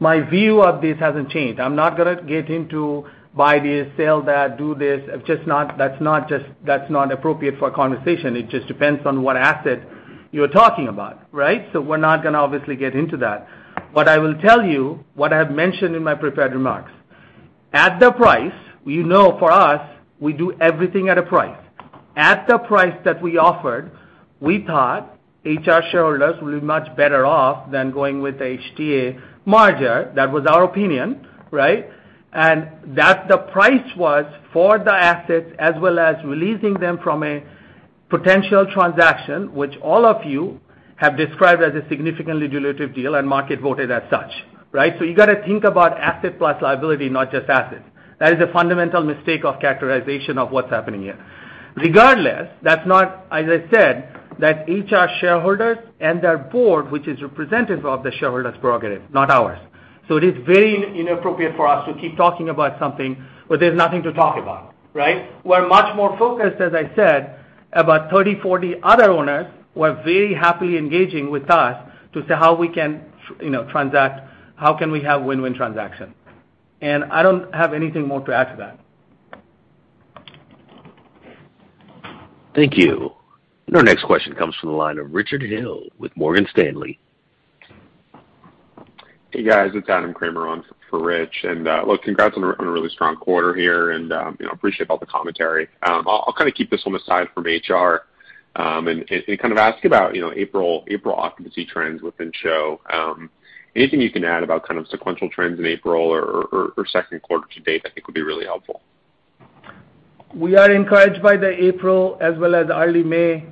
My view of this hasn't changed. I'm not gonna get into buy this, sell that, do this. I'm just not. That's not appropriate for a conversation. It just depends on what asset you're talking about, right? We're not gonna obviously get into that. I will tell you what I have mentioned in my prepared remarks. At the price, you know, for us, we do everything at a price. At the price that we offered, we thought HR shareholders will be much better off than going with the HTA merger. That was our opinion, right? That the price was for the assets as well as releasing them from a potential transaction, which all of you have described as a significantly dilutive deal and market voted as such, right? You gotta think about asset plus liability, not just asset. That is a fundamental mistake of characterization of what's happening here. Regardless, as I said, that's HR shareholders and their board, which is representative of the shareholders' prerogative, not ours. It is very inappropriate for us to keep talking about something where there's nothing to talk about, right? We're much more focused, as I said, about 30, 40 other owners who are very happily engaging with us to see how we can, you know, transact, how can we have win-win transaction. I don't have anything more to add to that. Thank you. Our next question comes from the line of Richard Hill with Morgan Stanley. Hey, guys. It's Adam Kramer on for Rich. Look, congrats on a really strong quarter here and, you know, appreciate all the commentary. I'll kinda keep this one aside from HR and kind of ask you about, you know, April occupancy trends within SHO. Anything you can add about kind of sequential trends in April or second quarter to date, I think would be really helpful. We are encouraged by the April as well as early May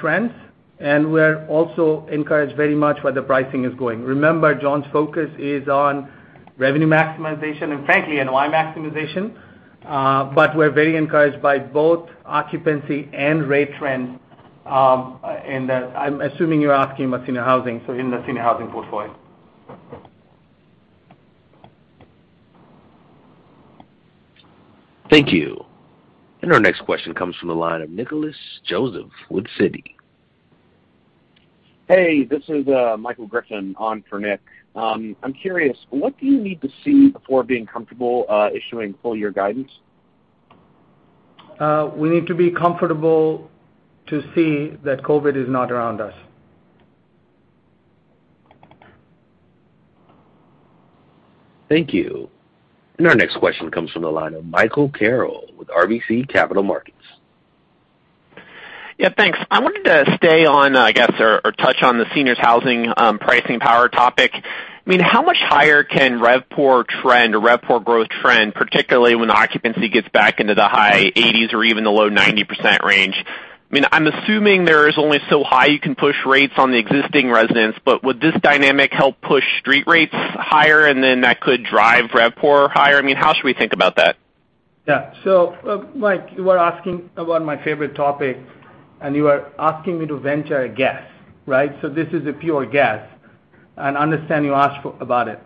trends, and we're also encouraged very much where the pricing is going. Remember, John's focus is on revenue maximization and frankly, NOI maximization. We're very encouraged by both occupancy and rate trends. I'm assuming you're asking about senior housing, so in the senior housing portfolio. Thank you. Our next question comes from the line of Nicholas Joseph with Citi. Hey, this is Michael Griffin on for Nick. I'm curious, what do you need to see before being comfortable issuing full year guidance? We need to be comfortable to see that COVID is not around us. Thank you. Our next question comes from the line of Michael Carroll with RBC Capital Markets. Yeah, thanks. I wanted to stay on, I guess, or touch on the seniors' housing pricing power topic. I mean, how much higher can RevPOR trend or RevPOR growth trend, particularly when the occupancy gets back into the high 80s or even the low 90% range? I mean, I'm assuming there is only so high you can push rates on the existing residents, but would this dynamic help push street rates higher and then that could drive RevPOR higher? I mean, how should we think about that? Yeah. Mike, you are asking about my favorite topic, and you are asking me to venture a guess, right? This is a pure guess, and I understand you asked about it.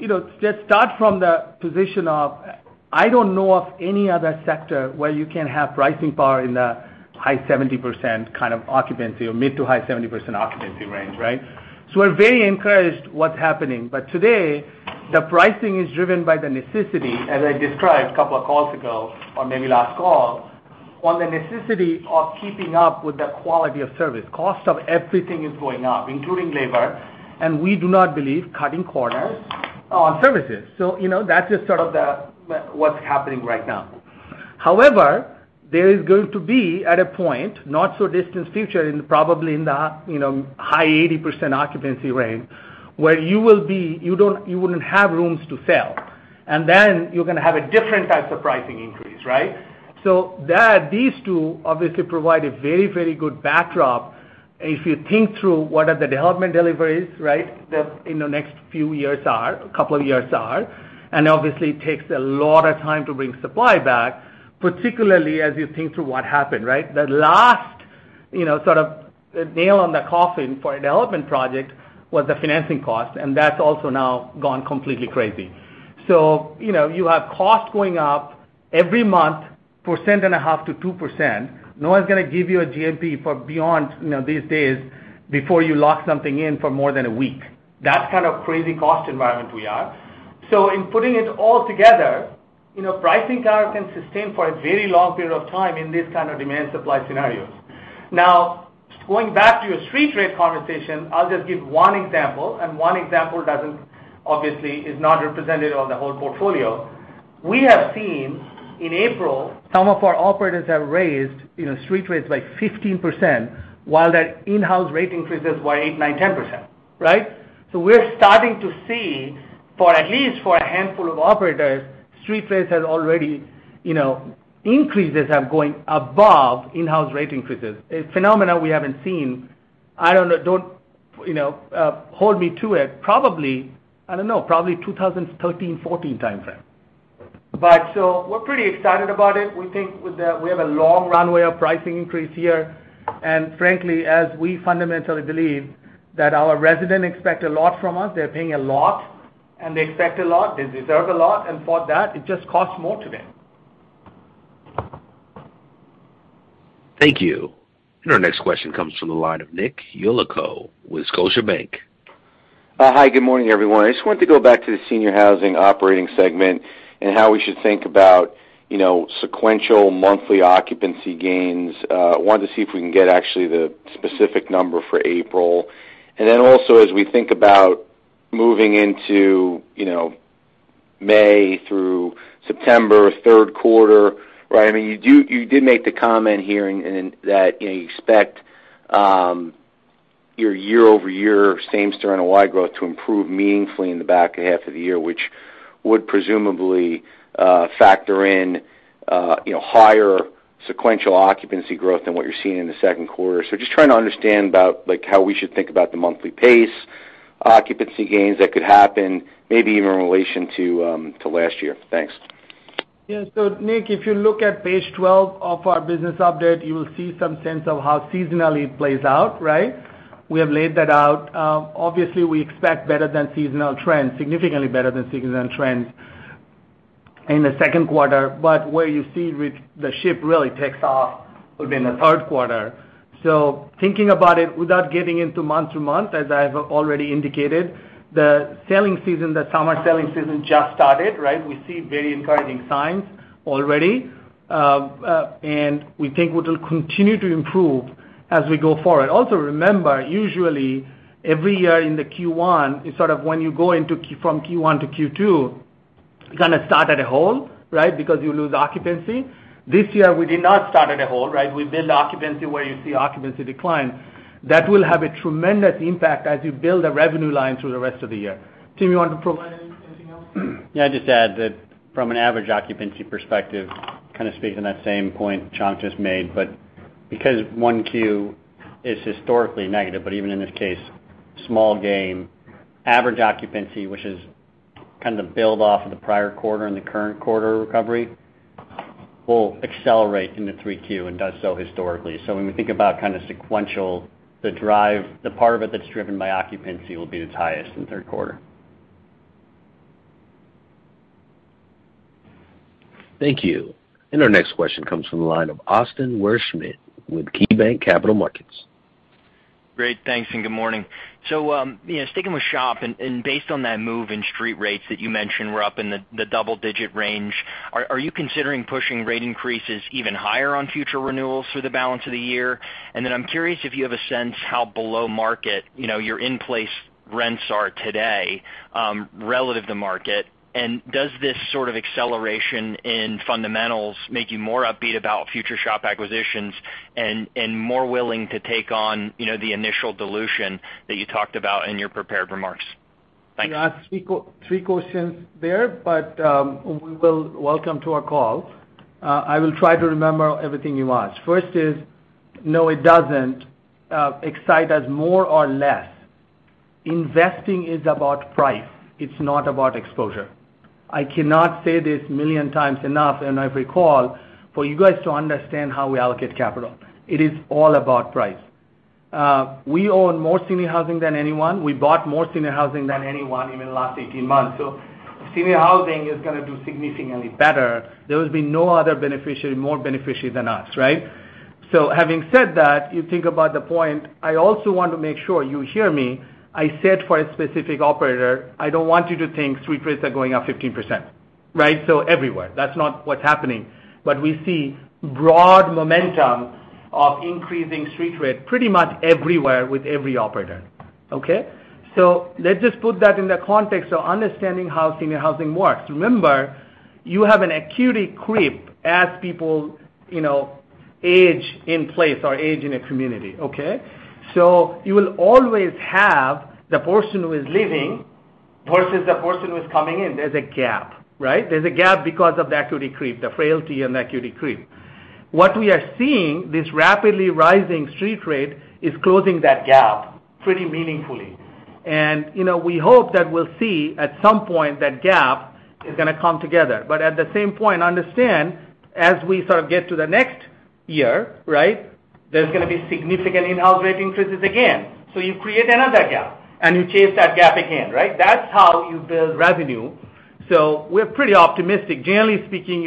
You know, just start from the position of, I don't know of any other sector where you can have pricing power in the high 70% kind of occupancy or mid- to high 70% occupancy range, right? We're very encouraged what's happening. Today, the pricing is driven by the necessity, as I described a couple of calls ago or maybe last call, on the necessity of keeping up with the quality of service. Cost of everything is going up, including labor, and we do not believe cutting corners on services. You know, that's just sort of what's happening right now. There is going to be a point, not so distant future, in probably the high 80% occupancy range, where you wouldn't have rooms to sell, and then you're gonna have a different type of pricing increase, right? These two obviously provide a very, very good backdrop. If you think through what the development deliveries are in the next few years, a couple of years, right? And obviously it takes a lot of time to bring supply back, particularly as you think through what happened, right? The last nail in the coffin for a development project was the financing cost, and that's also now gone completely crazy. You have costs going up every month, 1.5% to 2%. No one's gonna give you a GMP for beyond, you know, these days before you lock something in for more than a week. That's kind of crazy cost environment we are. In putting it all together, you know, pricing power can sustain for a very long period of time in this kind of demand supply scenario. Now, going back to your street rate conversation, I'll just give one example, and one example doesn't, obviously, is not representative of the whole portfolio. We have seen in April, some of our operators have raised, you know, street rates by 15%, while their in-house rate increases were 8%, 9%, 10%, right? We're starting to see for at least for a handful of operators, street rates has already, you know, increases are going above in-house rate increases. A phenomenon we haven't seen, I don't know. Don't, you know, hold me to it, probably, I don't know, probably 2013-2014 timeframe. We're pretty excited about it. We think we have a long runway of pricing increase here, and frankly, as we fundamentally believe that our residents expect a lot from us, they're paying a lot, and they expect a lot, they deserve a lot, and for that, it just costs more today. Thank you. Our next question comes from the line of Nick Yulico with Scotiabank. Hi, good morning, everyone. I just wanted to go back to the senior housing operating segment and how we should think about, you know, sequential monthly occupancy gains. Wanted to see if we can get actually the specific number for April. Also, as we think about moving into, you know, May through September, third quarter, right? I mean, you did make the comment here and that, you know, you expect your YoY same store NOI growth to improve meaningfully in the back half of the year, which would presumably factor in, you know, higher sequential occupancy growth than what you're seeing in the second quarter. Just trying to understand about like, how we should think about the monthly pace, occupancy gains that could happen maybe even in relation to last year. Thanks. Yeah. Nick, if you look at page 12 of our business update, you will see some sense of how seasonally it plays out, right? We have laid that out. Obviously we expect better than seasonal trends, significantly better than seasonal trends in the second quarter. But where you see the ship really takes off within the third quarter. Thinking about it, without getting into month-to-month, as I've already indicated, the selling season, the summer selling season just started, right? We see very encouraging signs already. And we think it'll continue to improve as we go forward. Also, remember, usually every year in the Q1 is sort of when you go into from Q1 to Q2, you kind of start at a hole, right? Because you lose occupancy. This year we did not start at a hole, right? We build occupancy where you see occupancy decline. That will have a tremendous impact as you build a revenue line through the rest of the year. Tim, you want to provide anything else? Yeah, just add that from an average occupancy perspective, kind of speaking to that same point Shankh just made, but because 1Q is historically negative, but even in this case, small gain, average occupancy, which is kind of the build off of the prior quarter and the current quarter recovery, will accelerate into 3Q and does so historically. So when we think about kind of sequential, the drive, the part of it that's driven by occupancy will be its highest in third quarter. Thank you. Our next question comes from the line of Austin Wurschmidt with KeyBanc Capital Markets. Great. Thanks, and good morning. You know, sticking with SHOP and based on that move in street rates that you mentioned were up in the double-digit range, are you considering pushing rate increases even higher on future renewals through the balance of the year? Then I'm curious if you have a sense how below market, you know, your in-place rents are today, relative to market. Does this sort of acceleration in fundamentals make you more upbeat about future SHOP acquisitions and more willing to take on, you know, the initial dilution that you talked about in your prepared remarks? Thanks. You asked three questions there, but we will welcome to our call. I will try to remember everything you asked. First is, no, it doesn't excite us more or less. Investing is about price. It's not about exposure. I cannot say this a million times enough in every call for you guys to understand how we allocate capital. It is all about price. We own more senior housing than anyone. We bought more senior housing than anyone in the last 18 months. If senior housing is gonna do significantly better, there will be no other beneficiary, bigger beneficiary than us, right? Having said that, you think about the point, I also want to make sure you hear me. I said for a specific operator, I don't want you to think street rates are going up 15%, right? Everywhere, that's not what's happening. We see broad momentum of increasing street rate pretty much everywhere with every operator, okay? Let's just put that in the context of understanding how senior housing works. Remember, you have an acuity creep as people, you know, age in place or age in a community, okay? You will always have the person who is leaving versus the person who is coming in. There's a gap, right? There's a gap because of the acuity creep, the frailty and acuity creep. What we are seeing, this rapidly rising street rate is closing that gap pretty meaningfully. You know, we hope that we'll see at some point that gap is gonna come together. At the same point, understand as we sort of get to the next year, right? There's gonna be significant in-house rate increases again. You create another gap, and you chase that gap again, right? That's how you build revenue. We're pretty optimistic. Generally speaking,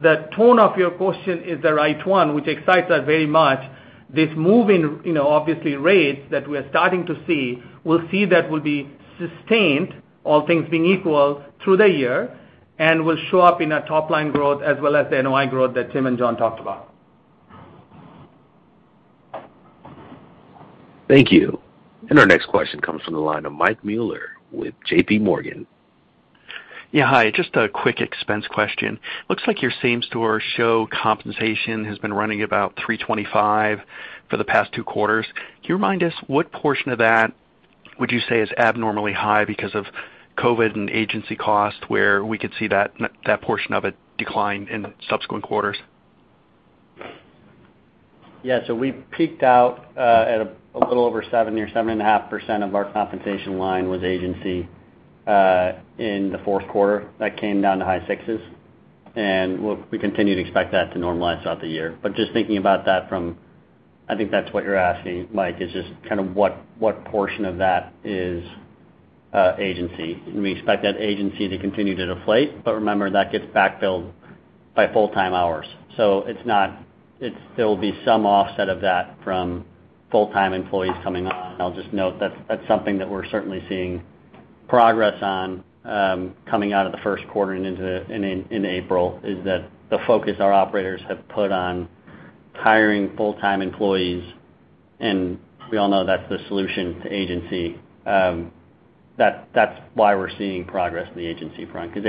the tone of your question is the right one, which excites us very much. This move in, you know, obviously rates that we're starting to see, we'll see that will be sustained, all things being equal through the year and will show up in our top line growth as well as the NOI growth that Tim and John talked about. Thank you. Our next question comes from the line of Mike Mueller with J.P. Morgan. Yeah, hi. Just a quick expense question. Looks like your same-store SHO compensation has been running about $325 for the past two quarters. Can you remind us what portion of that would you say is abnormally high because of COVID and agency cost, where we could see that portion of it decline in subsequent quarters? Yeah. We peaked out at a little over 7% or 7.5% of our compensation line was agency in the fourth quarter. That came down to high 6%, and we continue to expect that to normalize throughout the year. Just thinking about that from, I think that's what you're asking, Mike, is just kind of what portion of that is agency. We expect that agency to continue to deflate. Remember, that gets backfilled by full-time hours. It's not. It's still some offset of that from full-time employees coming on. I'll just note that that's something that we're certainly seeing progress on, coming out of the first quarter and into April, is that the focus our operators have put on hiring full-time employees, and we all know that's the solution to agency. That's why we're seeing progress in the agency front 'cause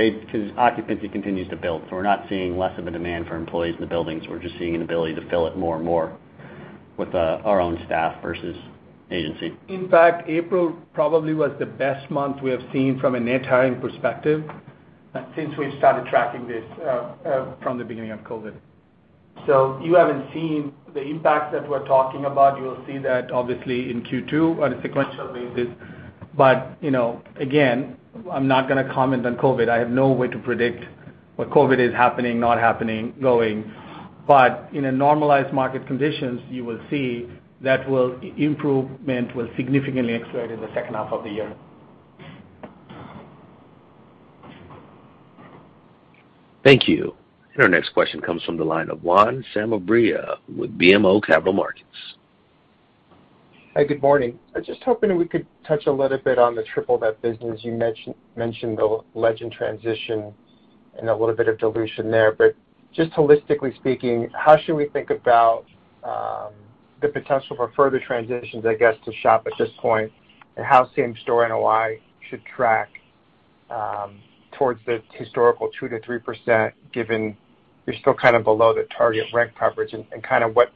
occupancy continues to build. We're not seeing less of a demand for employees in the buildings. We're just seeing an ability to fill it more and more with our own staff versus agency. In fact, April probably was the best month we have seen from a net hiring perspective since we've started tracking this from the beginning of COVID. You haven't seen the impact that we're talking about. You'll see that obviously in Q2 on a sequential basis. You know, again, I'm not gonna comment on COVID. I have no way to predict what COVID is happening, not happening, going. In a normalized market conditions, you will see that improvement will significantly accelerate in the second half of the year. Thank you. Our next question comes from the line of Juan Sanabria with BMO Capital Markets. Hey, good morning. I was just hoping we could touch a little bit on the triple net business. You mentioned the Legend transition and a little bit of dilution there. Just holistically speaking, how should we think about the potential for further transitions, I guess, to SHOP at this point and how same-store NOI should track towards the historical 2%-3%, given you're still kind of below the target rent coverage and kinda what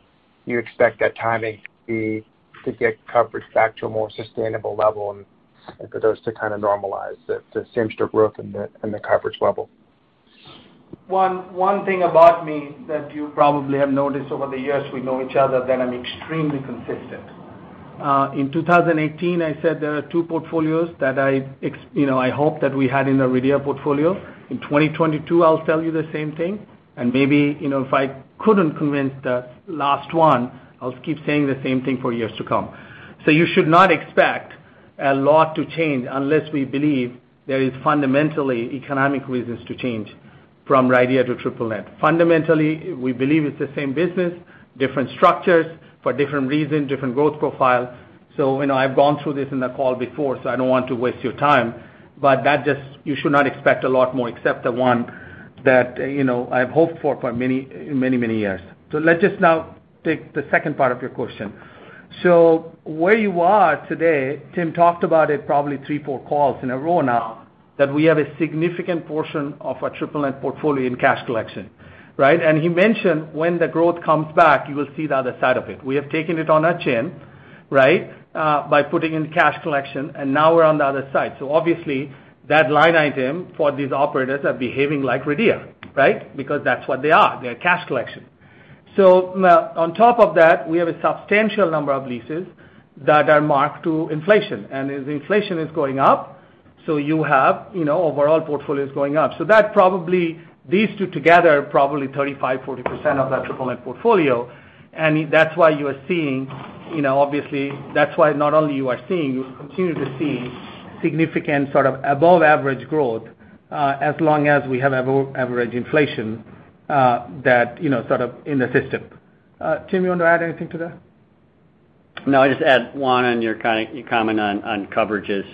you expect that timing to be to get coverage back to a more sustainable level and for those to kinda normalize the same-store growth and the coverage level? One thing about me that you probably have noticed over the years we know each other, that I'm extremely consistent. In 2018, I said there are two portfolios that you know, I hope that we had in the RIDEA portfolio. In 2022, I'll tell you the same thing, and maybe, you know, if I couldn't convince the last one, I'll keep saying the same thing for years to come. You should not expect a lot to change unless we believe there is fundamentally economic reasons to change from RIDEA to triple net. Fundamentally, we believe it's the same business, different structures for different reasons, different growth profiles. You know, I've gone through this in the call before, so I don't want to waste your time. That just you should not expect a lot more except the one that, you know, I've hoped for many, many, many years. Let's just now take the second part of your question. Where you are today, Tim talked about it probably three, four calls in a row now, that we have a significant portion of our triple net portfolio in cash collection, right? He mentioned when the growth comes back, you will see the other side of it. We have taken it on our chin, right, by putting in cash collection, and now we're on the other side. Obviously that line item for these operators are behaving like RIDEA, right? Because that's what they are. They're cash collection. Now on top of that, we have a substantial number of leases that are marked to inflation. As inflation is going up, so you have, you know, overall portfolios going up. That probably these two together, probably 35%-40% of that triple net portfolio. That's why you are seeing, you know, obviously that's why not only you are seeing, you continue to see significant sort of above average growth, as long as we have above average inflation, that, you know, sort of in the system. Tim, you want to add anything to that? No, I just add one on your comment on coverages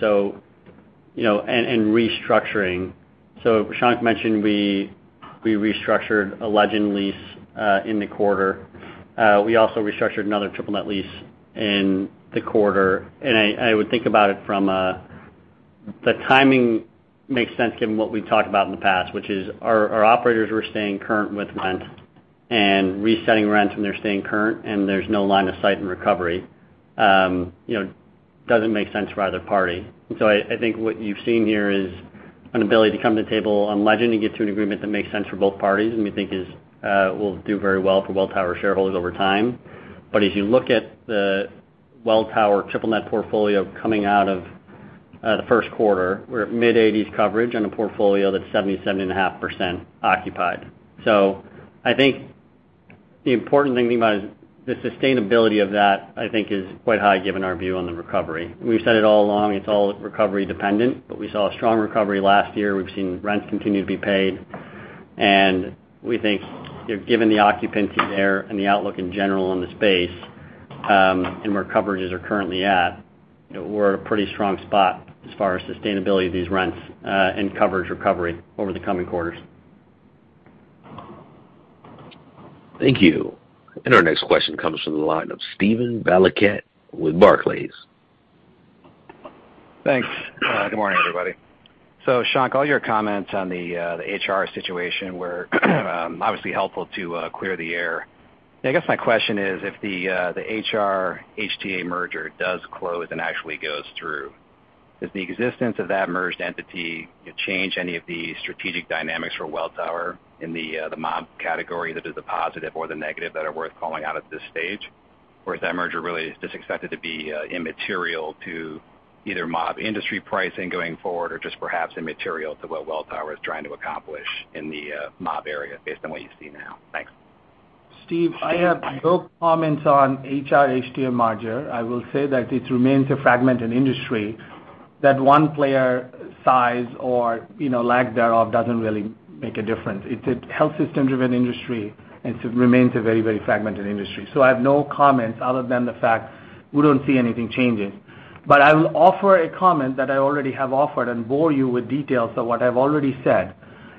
and restructuring. You know, Shankh mentioned we restructured a Legend lease in the quarter. We also restructured another triple net lease in the quarter. I would think about it from the timing makes sense given what we've talked about in the past, which is our operators were staying current with rent and resetting rent when they're staying current, and there's no line of sight to recovery. You know, doesn't make sense for either party. I think what you've seen here is an ability to come to the table on Legend and get to an agreement that makes sense for both parties, and we think will do very well for Welltower shareholders over time. If you look at the Welltower triple net portfolio coming out of the first quarter, we're at mid-80s coverage on a portfolio that's 70%-70.5% occupied. I think the important thing to think about is the sustainability of that, I think is quite high given our view on the recovery. We've said it all along, it's all recovery dependent, but we saw a strong recovery last year. We've seen rents continue to be paid. We think, you know, given the occupancy there and the outlook in general in the space, and where coverages are currently at, you know, we're at a pretty strong spot as far as sustainability of these rents, and coverage recovery over the coming quarters. Thank you. Our next question comes from the line of Steven Valiquette with Barclays. Thanks. Good morning, everybody. Shankh, all your comments on the HR situation were obviously helpful to clear the air. I guess my question is, if the HR-HTA merger does close and actually goes through, does the existence of that merged entity change any of the strategic dynamics for Welltower in the MOB category that is a positive or the negative that are worth calling out at this stage? Or is that merger really just expected to be immaterial to either MOB industry pricing going forward, or just perhaps immaterial to what Welltower is trying to accomplish in the MOB area based on what you see now? Thanks. Steve, I have no comments on HTA-HR merger. I will say that it remains a fragmented industry, that one player size or, you know, lack thereof doesn't really make a difference. It's a health system-driven industry, and so it remains a very, very fragmented industry. I have no comments other than the fact we don't see anything changing. I will offer a comment that I already have offered and bore you with details of what I've already said.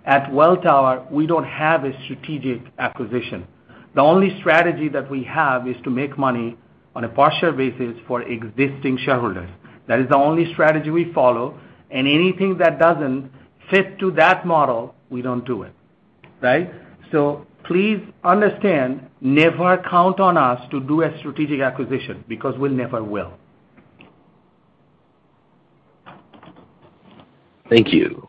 At Welltower, we don't have a strategic acquisition. The only strategy that we have is to make money on a partial basis for existing shareholders. That is the only strategy we follow, and anything that doesn't fit to that model, we don't do it, right? Please understand, never count on us to do a strategic acquisition, because we never will. Thank you.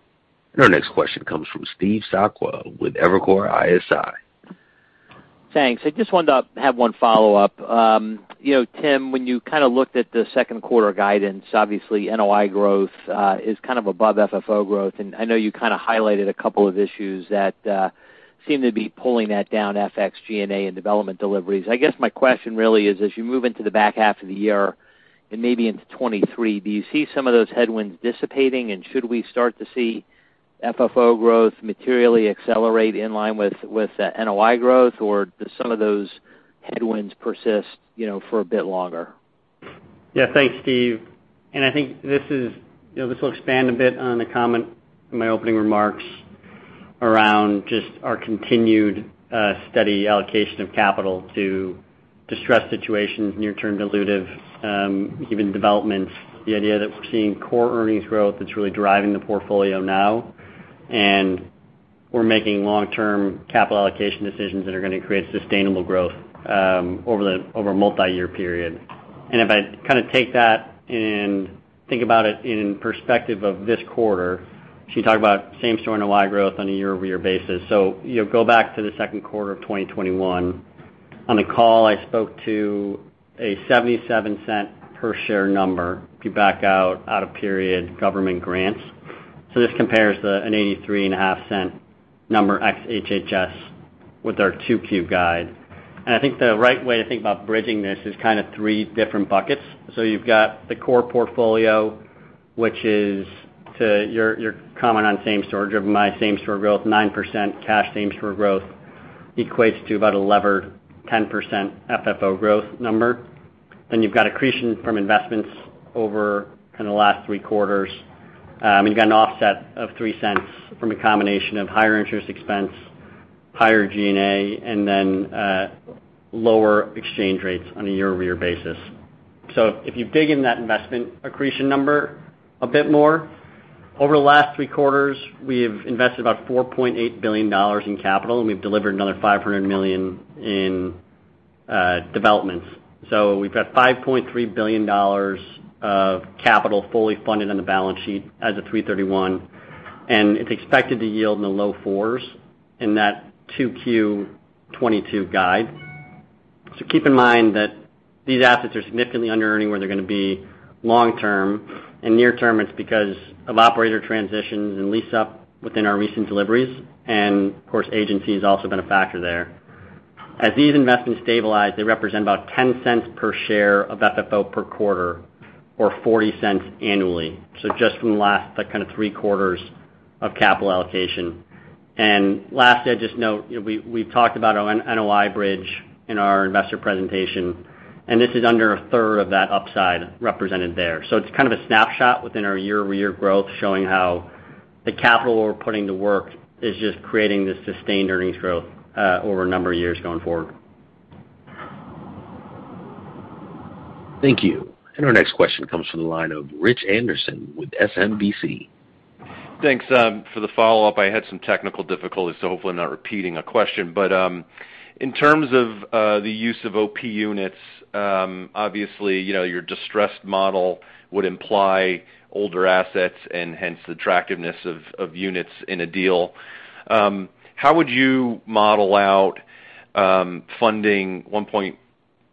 Our next question comes from Steve Sakwa with Evercore ISI. Thanks. I just wanted to have one follow-up. You know, Tim, when you kind of looked at the second quarter guidance, obviously, NOI growth is kind of above FFO growth. I know you kind of highlighted a couple of issues that seem to be pulling that down, FX, G&A, and development deliveries. I guess my question really is, as you move into the back half of the year and maybe into 2023, do you see some of those headwinds dissipating? Should we start to see FFO growth materially accelerate in line with the NOI growth, or do some of those headwinds persist, you know, for a bit longer? Yeah. Thanks, Steve. I think this is, you know, this will expand a bit on a comment in my opening remarks around just our continued steady allocation of capital to distressed situations, near-term dilutive, even developments. The idea that we're seeing core earnings growth that's really driving the portfolio now, and we're making long-term capital allocation decisions that are gonna create sustainable growth over a multi-year period. If I kind of take that and think about it in perspective of this quarter, you talk about same-store NOI growth on aYoY basis. You know, go back to the second quarter of 2021. On the call, I spoke to a $0.77 per share number, if you back out of-period government grants. This compares an $0.835 number ex HHS with our 2Q guide. I think the right way to think about bridging this is kind of three different buckets. You've got the core portfolio, which is to your comment on same-store driven by same-store growth, 9% cash same-store growth equates to about a levered 10% FFO growth number. Then you've got accretion from investments over kind of the last three quarters. You've got an offset of $0.03 from a combination of higher interest expense, higher G&A, and then, lower exchange rates on a YoY basis. If you dig in that investment accretion number a bit more, over the last three quarters, we've invested about $4.8 billion in capital, and we've delivered another $500 million in developments. We've got $5.3 billion of capital fully funded on the balance sheet as of 3/31, and it's expected to yield in the low 4s in that 2Q 2022 guide. Keep in mind that these assets are significantly underearning where they're gonna be long term. Near term, it's because of operator transitions and lease-up within our recent deliveries. Of course, agency has also been a factor there. As these investments stabilize, they represent about $0.10 per share of FFO per quarter or $0.40 annually. Just from the last, like, kind of three quarters of capital allocation. Lastly, I just note, you know, we've talked about NOI bridge in our investor presentation, and this is under a third of that upside represented there. It's kind of a snapshot within our YoY growth, showing how the capital we're putting to work is just creating this sustained earnings growth over a number of years going forward. Thank you. Our next question comes from the line of Rich Anderson with SMBC. Thanks for the follow-up. I had some technical difficulties, so hopefully I'm not repeating a question. In terms of the use of OP units, obviously, you know, your distressed model would imply older assets and hence attractiveness of units in a deal. How would you model out funding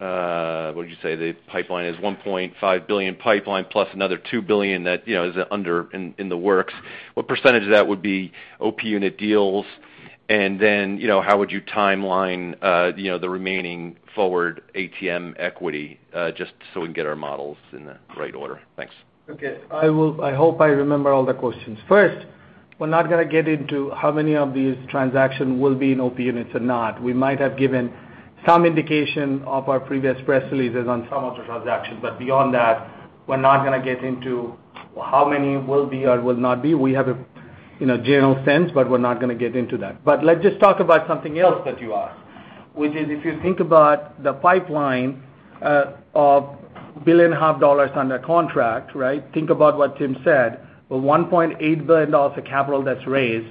$1.5 billion pipeline plus another $2 billion that, you know, is in the works? What percentage of that would be OP unit deals? And then, you know, how would you timeline the remaining forward ATM equity, just so we can get our models in the right order? Thanks. Okay. I hope I remember all the questions. First, we're not gonna get into how many of these transactions will be in OP units or not. We might have given some indication of our previous press releases on some of the transactions, but beyond that, we're not gonna get into how many will be or will not be. We have a, you know, general sense, but we're not gonna get into that. Let's just talk about something else that you asked, which is if you think about the pipeline of $1.5 billion under contract, right? Think about what Tim said, with $1.8 billion of capital that's raised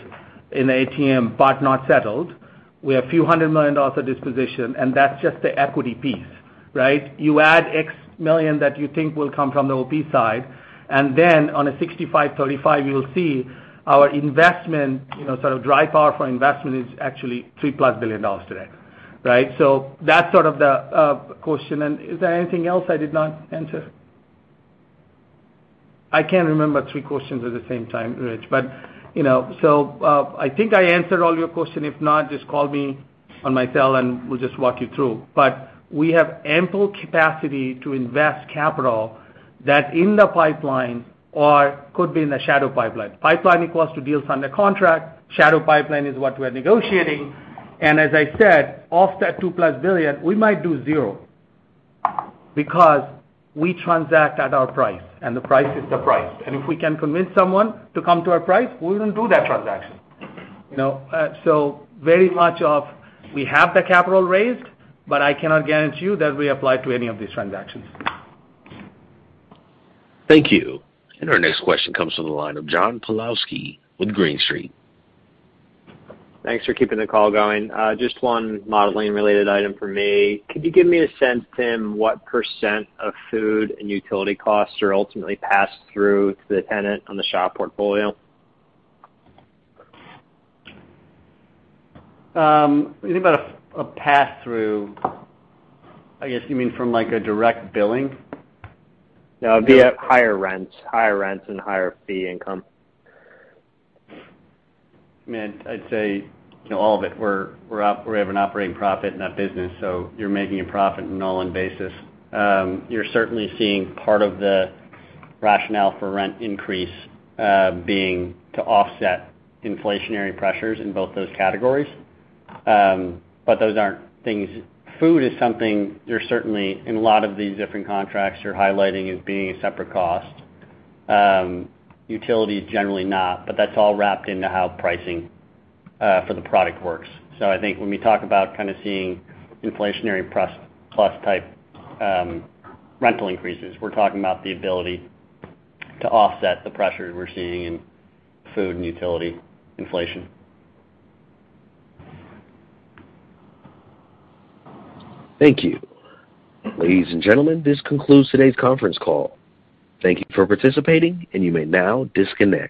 in ATM but not settled, we have a few hundred million of disposition, and that's just the equity piece, right? You add X million that you think will come from the OP side, and then on a 65/35, you'll see our investment, you know, sort of drive powerful investment is actually $3+ billion today, right? That's sort of the question. Is there anything else I did not answer? I can't remember three questions at the same time, Rich, but, you know. I think I answered all your question. If not, just call me on my cell, and we'll just walk you through. We have ample capacity to invest capital that in the pipeline or could be in the shadow pipeline. Pipeline equals to deals under contract. Shadow pipeline is what we're negotiating. As I said, of that $2+ billion, we might do zero because we transact at our price, and the price is the price. If we can convince someone to come to our price, we wouldn't do that transaction, you know? Very much so, we have the capital raised, but I cannot guarantee you that we'll apply it to any of these transactions. Thank you. Our next question comes from the line of John Pawlowski with Green Street. Thanks for keeping the call going. Just one modeling related item for me. Could you give me a sense, Tim, what % of food and utility costs are ultimately passed through to the tenant on the SHOP portfolio? When you think about a pass-through, I guess you mean from like a direct billing? No, it'd be at higher rents and higher fee income. I mean, I'd say, you know, all of it. We have an operating profit in that business, so you're making a profit on an all-in basis. You're certainly seeing part of the rationale for rent increase being to offset inflationary pressures in both those categories. Those aren't things. Food is something there's certainly in a lot of these different contracts you're highlighting as being a separate cost. Utility, generally not, but that's all wrapped into how pricing for the product works. I think when we talk about kind of seeing inflationary pressures plus type rental increases, we're talking about the ability to offset the pressure we're seeing in food and utility inflation. Thank you. Ladies and gentlemen, this concludes today's conference call. Thank you for participating, and you may now disconnect.